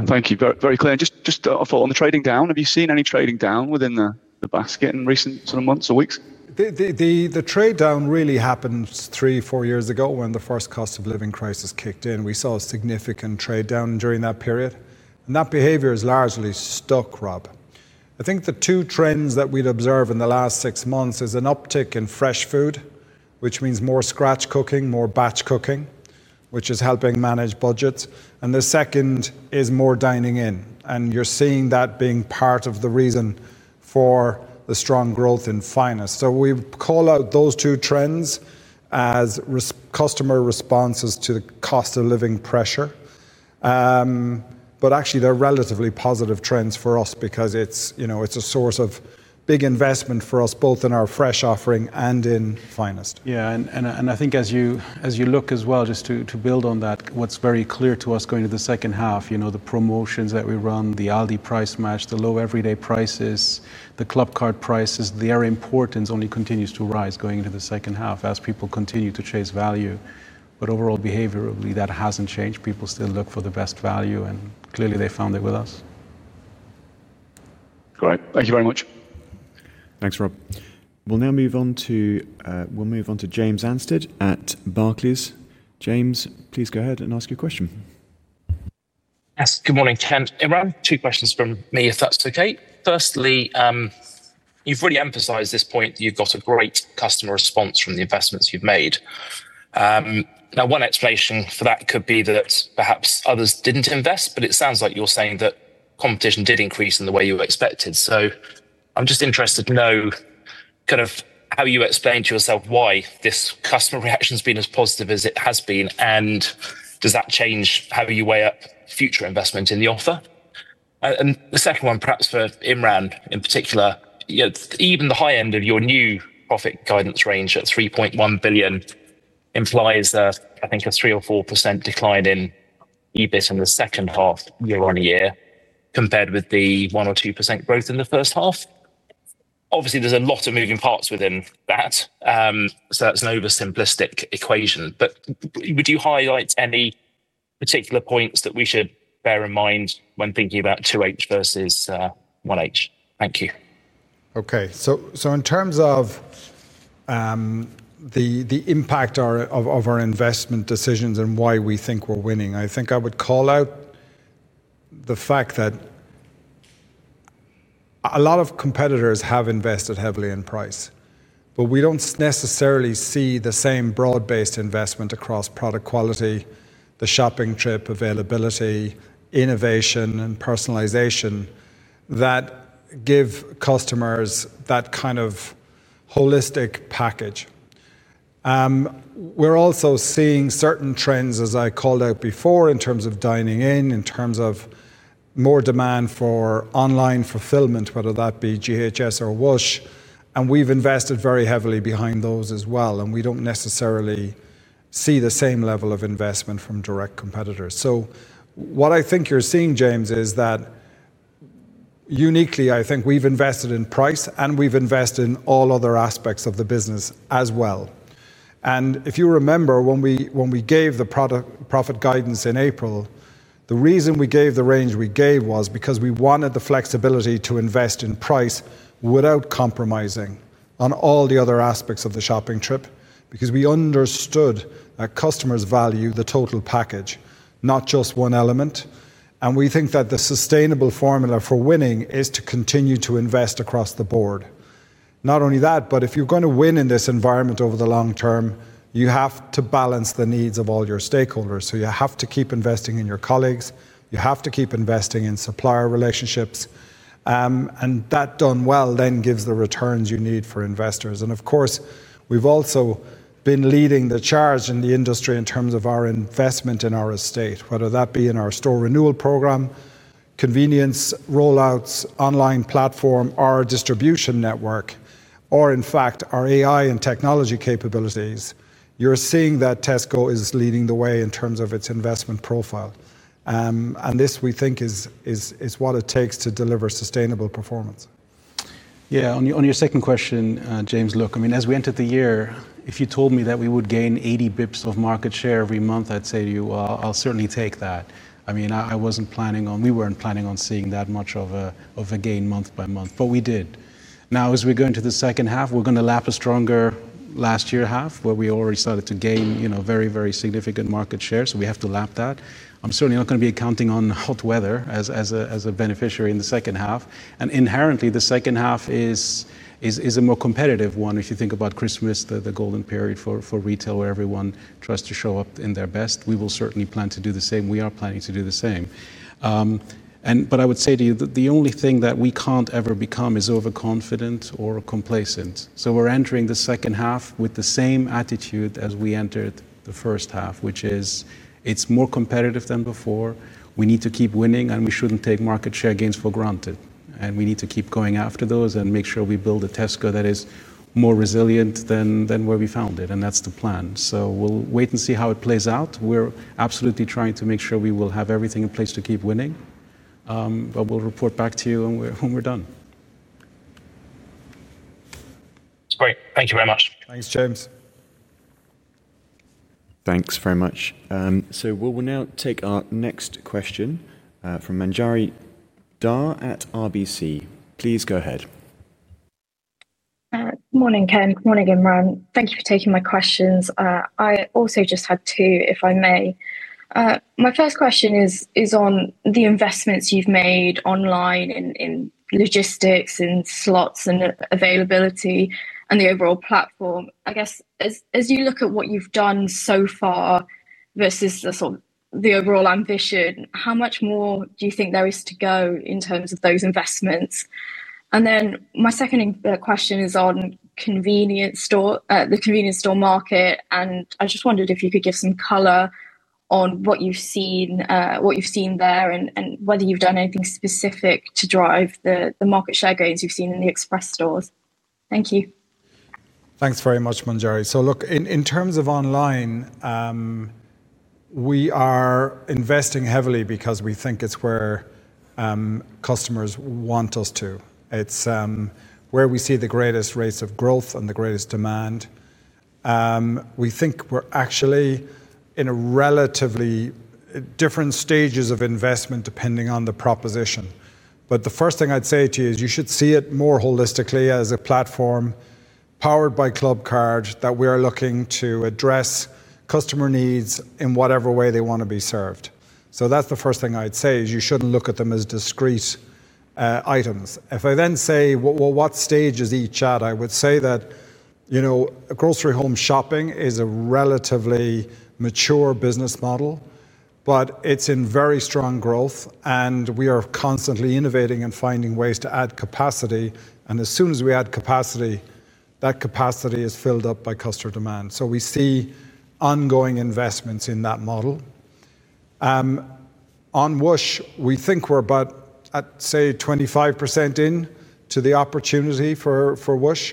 Thank you. Very clear. Just to follow on the trading down, have you seen any trading down within the basket in recent months or weeks? The trade down really happened three or four years ago when the first cost of living crisis kicked in. We saw a significant trade down during that period, and that behavior has largely stuck, Rob. I think the two trends that we'd observe in the last six months are an uptick in fresh food, which means more scratch cooking and more batch cooking, which is helping manage budgets. The second is more dining in. You're seeing that being part of the reason for the strong growth in Tesco Finest. We call out those two trends as customer responses to the cost of living pressure. Actually, they're relatively positive trends for us because it's a source of big investment for us, both in our fresh offering and in Tesco Finest. Yeah, I think as you look as well, just to build on that, what's very clear to us going into the second half, the promotions that we run, the Aldi Price Match, the Low Everyday Prices, the Clubcard Prices, their importance only continues to rise going into the second half as people continue to chase value. Overall, behaviorally, that hasn't changed. People still look for the best value, and clearly, they found it with us. Great, thank you very much. Thanks, Rob. We'll now move on to James Anstead at Barclays. James, please go ahead and ask your question. Yes, good morning, Ken. Imran, two questions from me, if that's okay. Firstly, you've really emphasized this point that you've got a great customer response from the investments you've made. Now, one explanation for that could be that perhaps others didn't invest, but it sounds like you're saying that competition did increase in the way you expected. I'm just interested to know kind of how you explain to yourself why this customer reaction has been as positive as it has been, and does that change how you weigh up future investment in the offer? The second one, perhaps for Imran in particular, even the high end of your new profit guidance range at £3.1 billion implies, I think, a 3% or 4% decline in EBIT in the second half year on year compared with the 1%-2% growth in the first half. Obviously, there's a lot of moving parts within that. That's an oversimplistic equation. Would you highlight any particular points that we should bear in mind when thinking about 2H versus 1H? Thank you. Okay, so in terms of the impact of our investment decisions and why we think we're winning, I think I would call out the fact that a lot of competitors have invested heavily in price, but we don't necessarily see the same broad-based investment across product quality, the shopping trip availability, innovation, and personalization that give customers that kind of holistic package. We're also seeing certain trends, as I called out before, in terms of dining in, in terms of more demand for online fulfillment, whether that be GHS or Whoosh. We've invested very heavily behind those as well, and we don't necessarily see the same level of investment from direct competitors. What I think you're seeing, James, is that uniquely, I think we've invested in price and we've invested in all other aspects of the business as well. If you remember, when we gave the product profit guidance in April, the reason we gave the range we gave was because we wanted the flexibility to invest in price without compromising on all the other aspects of the shopping trip because we understood that customers value the total package, not just one element. We think that the sustainable formula for winning is to continue to invest across the board. Not only that, if you're going to win in this environment over the long term, you have to balance the needs of all your stakeholders. You have to keep investing in your colleagues. You have to keep investing in supplier relationships. That done well then gives the returns you need for investors. Of course, we've also been leading the charge in the industry in terms of our investment in our estate, whether that be in our store renewal program, convenience rollouts, online platform, our distribution network, or in fact, our AI and technology capabilities. You're seeing that Tesco is leading the way in terms of its investment profile. This, we think, is what it takes to deliver sustainable performance. Yeah, on your second question, James, look, as we entered the year, if you told me that we would gain 80 bps of market share every month, I'd say to you, I'll certainly take that. I wasn't planning on, we weren't planning on seeing that much of a gain month by month, but we did. Now, as we go into the second half, we're going to lap a stronger last year half where we already started to gain very, very significant market share. We have to lap that. I'm certainly not going to be counting on hot weather as a beneficiary in the second half. Inherently, the second half is a more competitive one. If you think about Christmas, the golden period for retail where everyone tries to show up in their best, we will certainly plan to do the same. We are planning to do the same. I would say to you that the only thing that we can't ever become is overconfident or complacent. We're entering the second half with the same attitude as we entered the first half, which is it's more competitive than before. We need to keep winning, and we shouldn't take market share gains for granted. We need to keep going after those and make sure we build a Tesco that is more resilient than where we found it. That's the plan. We'll wait and see how it plays out. We're absolutely trying to make sure we will have everything in place to keep winning. We'll report back to you when we're done. Great. Thank you very much. Thanks, James. Thanks very much. We will now take our next question from Manjari Dar at RBC. Please go ahead. Morning, Ken. Morning, Imran. Thank you for taking my questions. I also just had two, if I may. My first question is on the investments you've made online in logistics and slots and availability and the overall platform. As you look at what you've done so far versus the sort of the overall ambition, how much more do you think there is to go in terms of those investments? My second question is on the convenience store market. I just wondered if you could give some color on what you've seen there and whether you've done anything specific to drive the market share gains you've seen in the express stores. Thank you. Thanks very much, Manjari. In terms of online, we are investing heavily because we think it's where customers want us to. It's where we see the greatest rates of growth and the greatest demand. We think we're actually in a relatively different stage of investment depending on the proposition. The first thing I'd say to you is you should see it more holistically as a platform powered by Clubcard that we are looking to address customer needs in whatever way they want to be served. That's the first thing I'd say is you shouldn't look at them as discrete items. If I then say, what stage is each at, I would say that grocery home shopping is a relatively mature business model, but it's in very strong growth. We are constantly innovating and finding ways to add capacity, and as soon as we add capacity, that capacity is filled up by customer demand. We see ongoing investments in that model. On Whoosh, we think we're about at, say, 25% into the opportunity for Whoosh.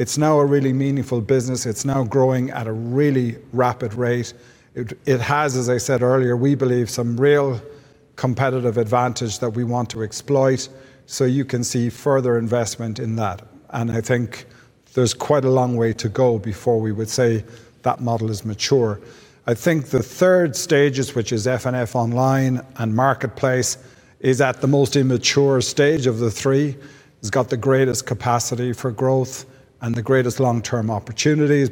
It's now a really meaningful business. It's now growing at a really rapid rate. It has, as I said earlier, we believe, some real competitive advantage that we want to exploit. You can see further investment in that. I think there's quite a long way to go before we would say that model is mature. The third stage, which is F&F Online and Marketplace, is at the most immature stage of the three. It's got the greatest capacity for growth and the greatest long-term opportunities.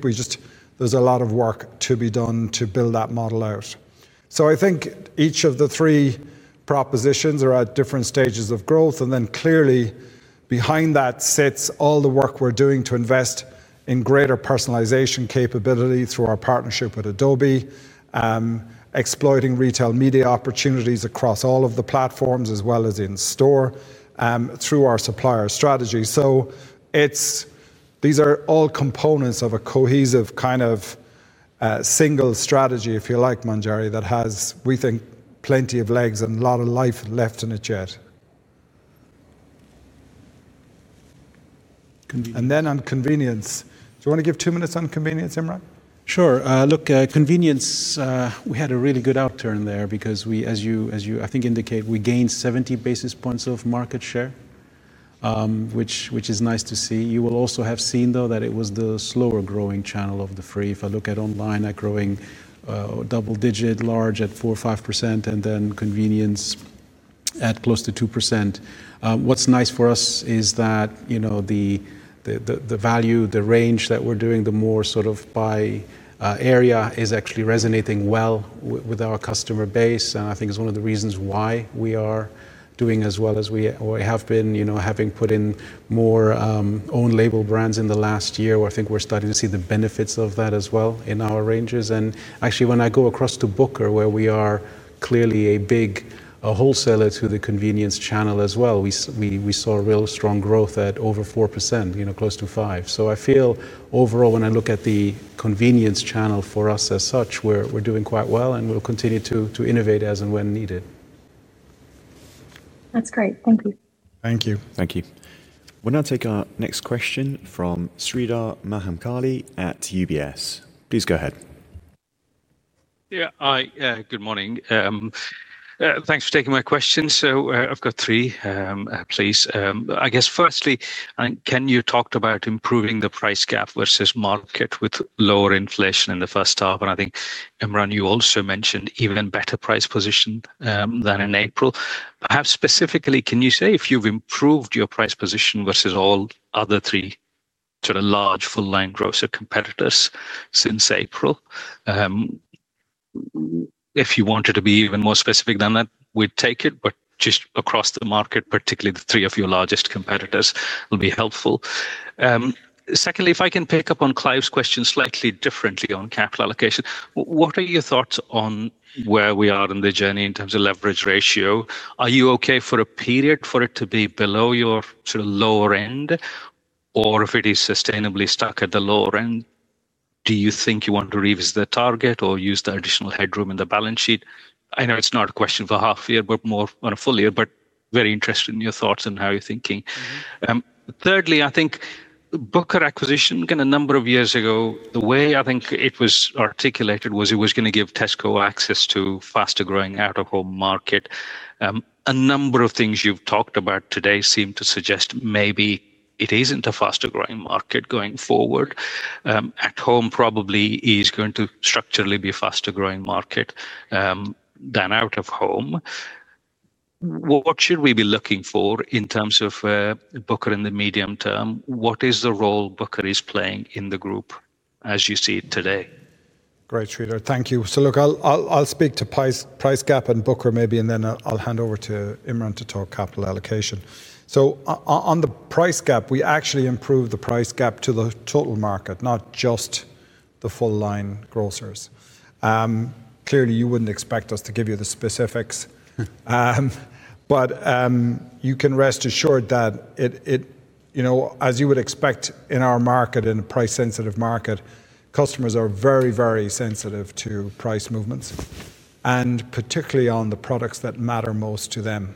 There's a lot of work to be done to build that model out. Each of the three propositions are at different stages of growth. Clearly, behind that sits all the work we're doing to invest in greater personalization capability through our partnership with Adobe, exploiting retail media opportunities across all of the platforms, as well as in-store, through our supplier strategy. These are all components of a cohesive kind of single strategy, if you like, Manjari, that has, we think, plenty of legs and a lot of life left in it yet. On convenience, do you want to give two minutes on convenience, Imran? Sure. Look, convenience, we had a really good outturn there because we, as you, I think, indicate, we gained 70 bps of market share, which is nice to see. You will also have seen, though, that it was the slower growing channel of the three. If I look at online at growing double digit, large at 4% or 5%, and then convenience at close to 2%. What's nice for us is that the value, the range that we're doing, the more sort of by area is actually resonating well with our customer base. I think it's one of the reasons why we are doing as well as we have been, having put in more own label brands in the last year, where I think we're starting to see the benefits of that as well in our ranges. Actually, when I go across to Booker, where we are clearly a big wholesaler through the convenience channel as well, we saw real strong growth at over 4%, close to 5%. I feel overall, when I look at the convenience channel for us as such, we're doing quite well, and we'll continue to innovate as and when needed. That's great. Thank you. Thank you. Thank you. We'll now take our next question from Sridhar Mahamkali at UBS. Please go ahead. Yeah, hi, good morning. Thanks for taking my question. I've got three, please. Firstly, I think, Ken, you talked about improving the price gap versus market with lower inflation in the first half. I think, Imran, you also mentioned even better price position than in April. Perhaps specifically, can you say if you've improved your price position versus all other three sort of large full-line growth competitors since April? If you wanted to be even more specific than that, we'd take it, but just across the market, particularly the three of your largest competitors will be helpful. Secondly, if I can pick up on Clive's question slightly differently on capital allocation, what are your thoughts on where we are in the journey in terms of leverage ratio? Are you OK for a period for it to be below your sort of lower end, or if it is sustainably stuck at the lower end, do you think you want to revisit the target or use the additional headroom in the balance sheet? I know it's not a question for half a year, but more on a full year, but very interested in your thoughts and how you're thinking. Thirdly, I think Booker acquisition, again, a number of years ago, the way I think it was articulated was it was going to give Tesco access to a faster growing out-of-home market. A number of things you've talked about today seem to suggest maybe it isn't a faster growing market going forward. At home probably is going to structurally be a faster growing market than out of home. What should we be looking for in terms of Booker in the medium term? What is the role Booker is playing in the group as you see it today? Great, Sridhar. Thank you. I'll speak to price gap and Booker maybe, and then I'll hand over to Imran to talk capital allocation. On the price gap, we actually improved the price gap to the total market, not just the full-line grocers. Clearly, you wouldn't expect us to give you the specifics, but you can rest assured that, as you would expect in our market, in a price-sensitive market, customers are very, very sensitive to price movements, particularly on the products that matter most to them.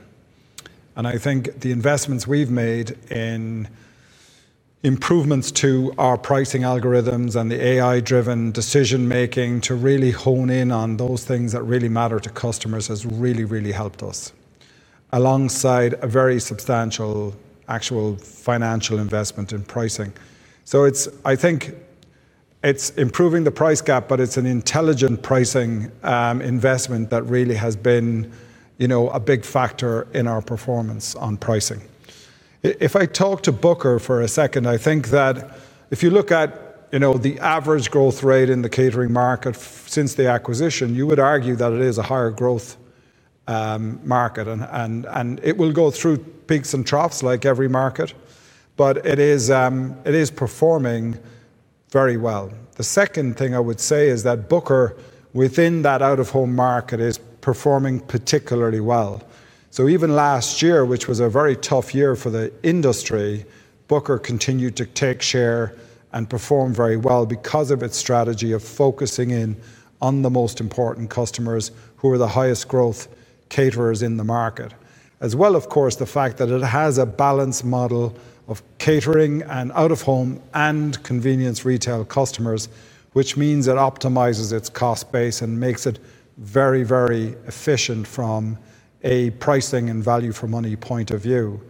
I think the investments we've made in improvements to our pricing algorithms and the AI-driven decision-making to really hone in on those things that really matter to customers has really, really helped us, alongside a very substantial actual financial investment in pricing. I think it's improving the price gap, but it's an intelligent pricing investment that really has been a big factor in our performance on pricing. If I talk to Booker for a second, I think that if you look at the average growth rate in the catering market since the acquisition, you would argue that it is a higher growth market, and it will go through peaks and troughs like every market, but it is performing very well. The second thing I would say is that Booker, within that out-of-home market, is performing particularly well. Even last year, which was a very tough year for the industry, Booker continued to take share and perform very well because of its strategy of focusing in on the most important customers who are the highest growth caterers in the market. As well, of course, the fact that it has a balanced model of catering and out-of-home and convenience retail customers, which means it optimizes its cost base and makes it very, very efficient from a pricing and value for money point of view.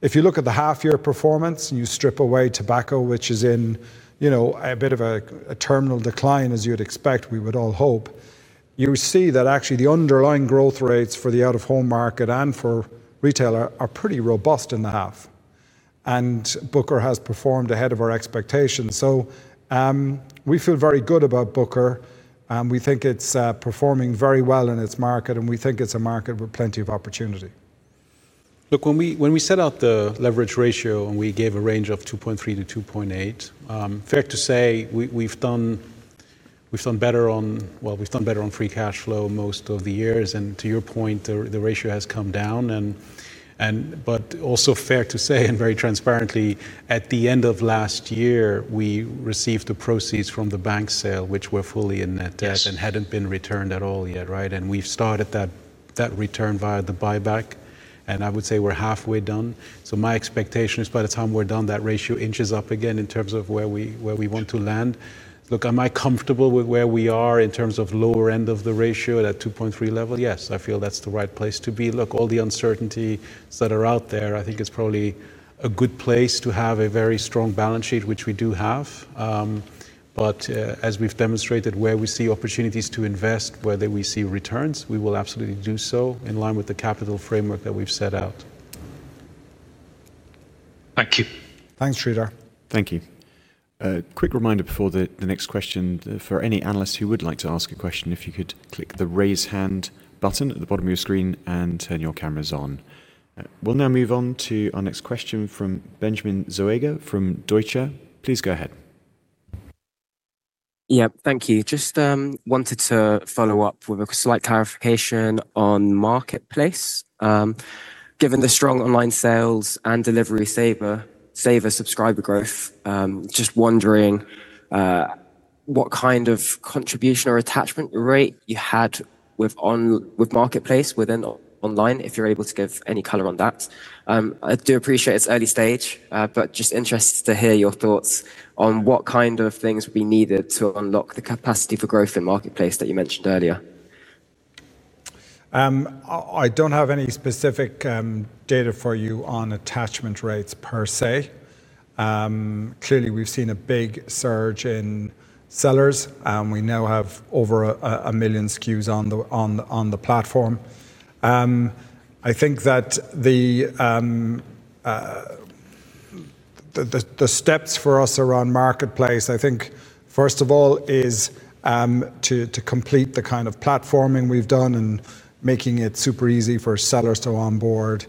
If you look at the half-year performance and you strip away tobacco, which is in a bit of a terminal decline, as you'd expect, we would all hope, you see that actually the underlying growth rates for the out-of-home market and for retail are pretty robust in the half. Booker has performed ahead of our expectations. We feel very good about Booker. We think it's performing very well in its market, and we think it's a market with plenty of opportunity. Look, when we set out the leverage ratio and we gave a range of 2.3 to 2.8, it's fair to say we've done better on, well, we've done better on free cash flow most of the years. To your point, the ratio has come down. It's also fair to say, and very transparently, at the end of last year, we received the proceeds from the bank sale, which were fully in net debt and hadn't been returned at all yet, right? We've started that return via the buyback, and I would say we're halfway done. My expectation is by the time we're done, that ratio inches up again in terms of where we want to land. Look, am I comfortable with where we are in terms of lower end of the ratio at that 2.3 level? Yes, I feel that's the right place to be. All the uncertainties that are out there, I think it's probably a good place to have a very strong balance sheet, which we do have. As we've demonstrated, where we see opportunities to invest, whether we see returns, we will absolutely do so in line with the capital framework that we've set out. Thank you. Thanks, Rita. Thank you. A quick reminder before the next question for any analysts who would like to ask a question, if you could click the raise hand button at the bottom of your screen and turn your cameras on. We'll now move on to our next question from Benjamin Zoega from Deutsche Bank. Please go ahead. Yeah, thank you. Just wanted to follow up with a slight clarification on Marketplace. Given the strong online sales and Delivery Saver subscriber growth, just wondering what kind of contribution or attachment rate you had with Tesco Marketplace within online, if you're able to give any color on that. I do appreciate it's early stage, but just interested to hear your thoughts on what kind of things would be needed to unlock the capacity for growth in Marketplace that you mentioned earlier. I don't have any specific data for you on attachment rates per se. Clearly, we've seen a big surge in sellers. We now have over a million SKUs on the platform. I think that the steps for us around Marketplace, first of all, is to complete the kind of platforming we've done and making it super easy for sellers to onboard.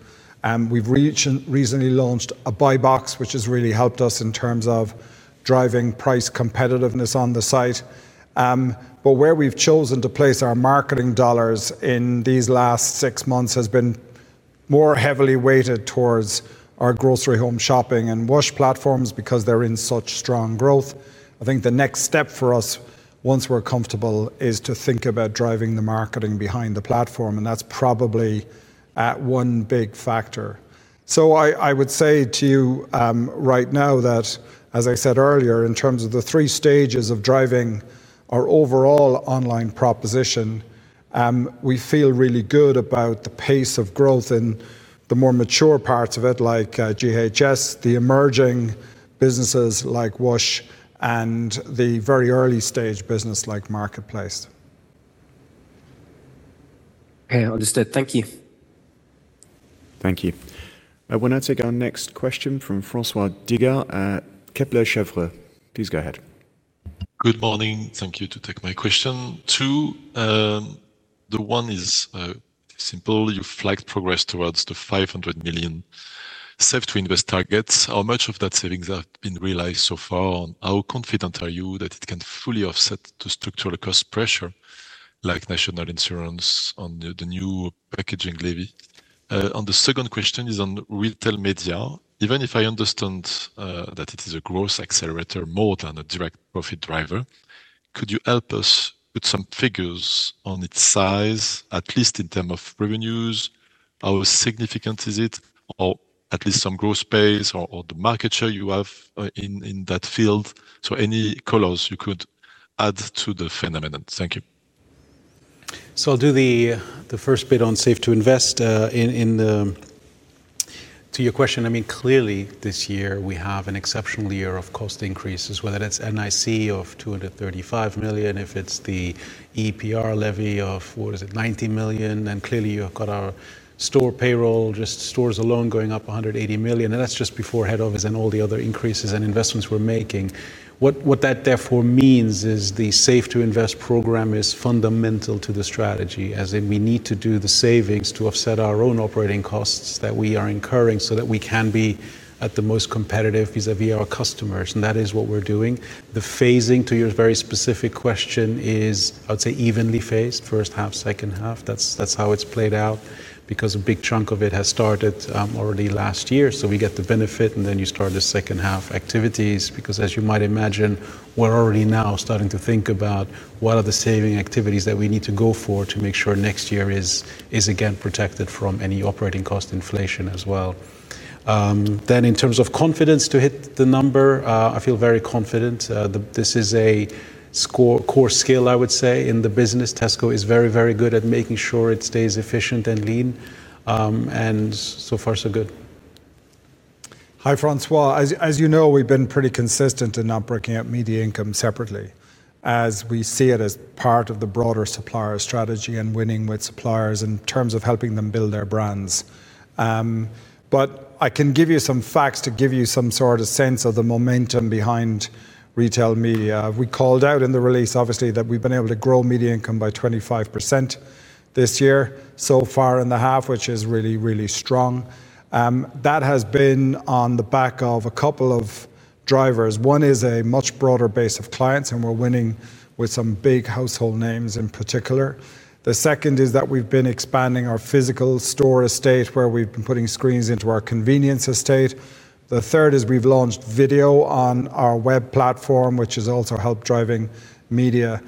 We've recently launched a buy box, which has really helped us in terms of driving price competitiveness on the site. Where we've chosen to place our marketing dollars in these last six months has been more heavily weighted towards our grocery home shopping and Whoosh platforms because they're in such strong growth. I think the next step for us, once we're comfortable, is to think about driving the marketing behind the platform, and that's probably one big factor. I would say to you right now that, as I said earlier, in terms of the three stages of driving our overall online proposition, we feel really good about the pace of growth in the more mature parts of it, like grocery home shopping, the emerging businesses like Whoosh, and the very early stage business like Marketplace. Okay, understood. Thank you. Thank you. We're now taking our next question from François Digard at Kepler Cheuvreux. Please go ahead. Good morning. Thank you to take my question. Two, the one is simple. You flagged progress towards the £500 million Save to Invest targets. How much of that savings have been realized so far? How confident are you that it can fully offset the structural cost pressure, like national insurance or the new packaging levy? The second question is on retail media. Even if I understand that it is a growth accelerator more than a direct profit driver, could you help us put some figures on its size, at least in terms of revenues? How significant is it, or at least some growth space, or the market share you have in that field? Any colors you could add to the phenomenon. Thank you. I'll do the first bit on Save to Invest. To your question, I mean, clearly this year we have an exceptional year of cost increases, whether that's NIC of £235 million, if it's the EPR levy of, what is it, £19 million. Clearly you've got our store payroll, just stores alone going up £180 million. That's just before head office and all the other increases and investments we're making. What that therefore means is the Save to Invest program is fundamental to the strategy, as in we need to do the savings to offset our own operating costs that we are incurring so that we can be at the most competitive vis-à-vis our customers. That is what we're doing. The phasing, to your very specific question, is, I would say, evenly phased, first half, second half. That's how it's played out because a big chunk of it has started already last year. We get the benefit and then you start the second half activities because, as you might imagine, we're already now starting to think about what are the saving activities that we need to go for to make sure next year is again protected from any operating cost inflation as well. In terms of confidence to hit the number, I feel very confident. This is a core skill, I would say, in the business. Tesco is very, very good at making sure it stays efficient and lean. So far, so good. Hi François. As you know, we've been pretty consistent in not breaking up media income separately, as we see it as part of the broader supplier strategy and winning with suppliers in terms of helping them build their brands. I can give you some facts to give you some sort of sense of the momentum behind retail media. We called out in the release, obviously, that we've been able to grow media income by 25% this year, so far in the half, which is really, really strong. That has been on the back of a couple of drivers. One is a much broader base of clients, and we're winning with some big household names in particular. The second is that we've been expanding our physical store estate, where we've been putting screens into our convenience estate. The third is we've launched video on our web platform, which has also helped driving media.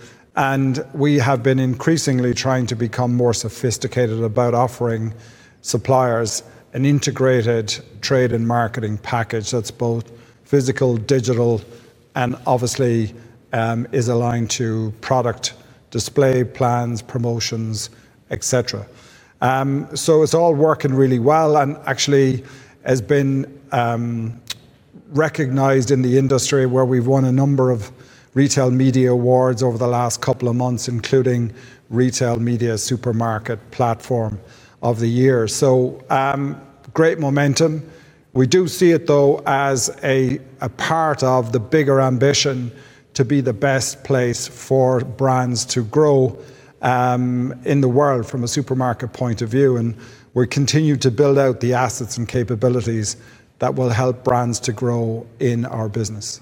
We have been increasingly trying to become more sophisticated about offering suppliers an integrated trade and marketing package that's both physical, digital, and obviously is aligned to product display plans, promotions, etc. It's all working really well and actually has been recognized in the industry where we've won a number of retail media awards over the last couple of months, including Retail Media Supermarket Platform of the Year. Great momentum. We do see it though as a part of the bigger ambition to be the best place for brands to grow in the world from a supermarket point of view. We continue to build out the assets and capabilities that will help brands to grow in our business.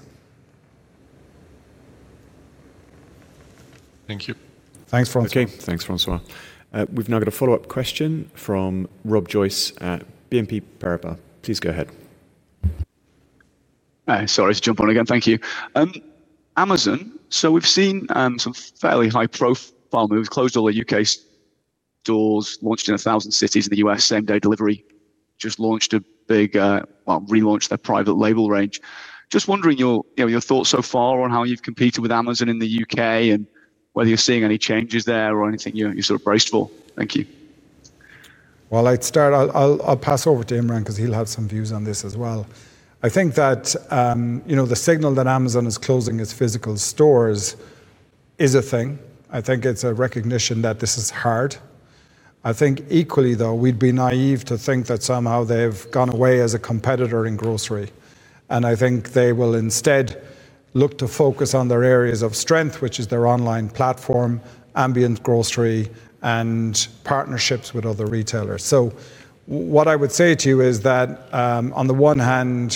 Thank you. Thanks, François. Thanks, François. We've now got a follow-up question from Rob Joyce at BNP Paribas. Please go ahead. Hi, sorry to jump on again. Thank you. Amazon, we've seen some fairly high-profile moves, closed all the UK stores, launched in 1,000 cities in the U.S., same-day delivery, just launched a big, relaunched their private label range. Just wondering your thoughts so far on how you've competed with Amazon in the UK and whether you're seeing any changes there or anything you've sort of braced for. Thank you. I’d start, I’ll pass over to Imran because he’ll have some views on this as well. I think that the signal that Amazon is closing its physical stores is a thing. I think it’s a recognition that this is hard. I think equally though, we’d be naive to think that somehow they’ve gone away as a competitor in grocery. I think they will instead look to focus on their areas of strength, which is their online platform, Amazon Grocery, and partnerships with other retailers. What I would say to you is that on the one hand,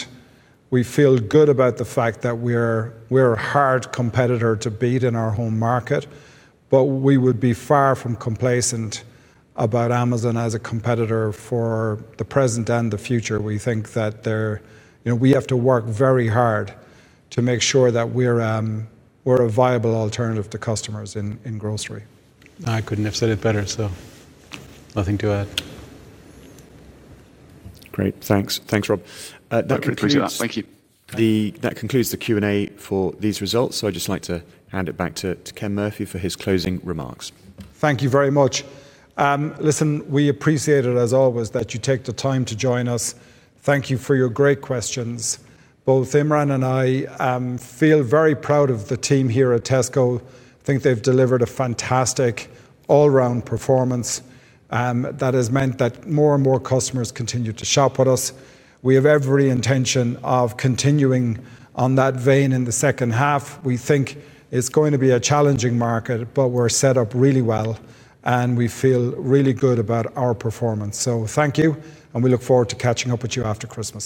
we feel good about the fact that we’re a hard competitor to beat in our home market, but we would be far from complacent about Amazon as a competitor for the present and the future. We think that we have to work very hard to make sure that we’re a viable alternative to customers in grocery. I couldn't have said it better, so nothing to add. Great, thanks. Thanks, Rob. Thank you. That concludes the Q&A for these results. I'd just like to hand it back to Ken Murphy for his closing remarks. Thank you very much. We appreciate it as always that you take the time to join us. Thank you for your great questions. Both Imran and I feel very proud of the team here at Tesco. I think they've delivered a fantastic all-round performance. That has meant that more and more customers continue to shop with us. We have every intention of continuing on that vein in the second half. We think it's going to be a challenging market, but we're set up really well and we feel really good about our performance. Thank you and we look forward to catching up with you after Christmas.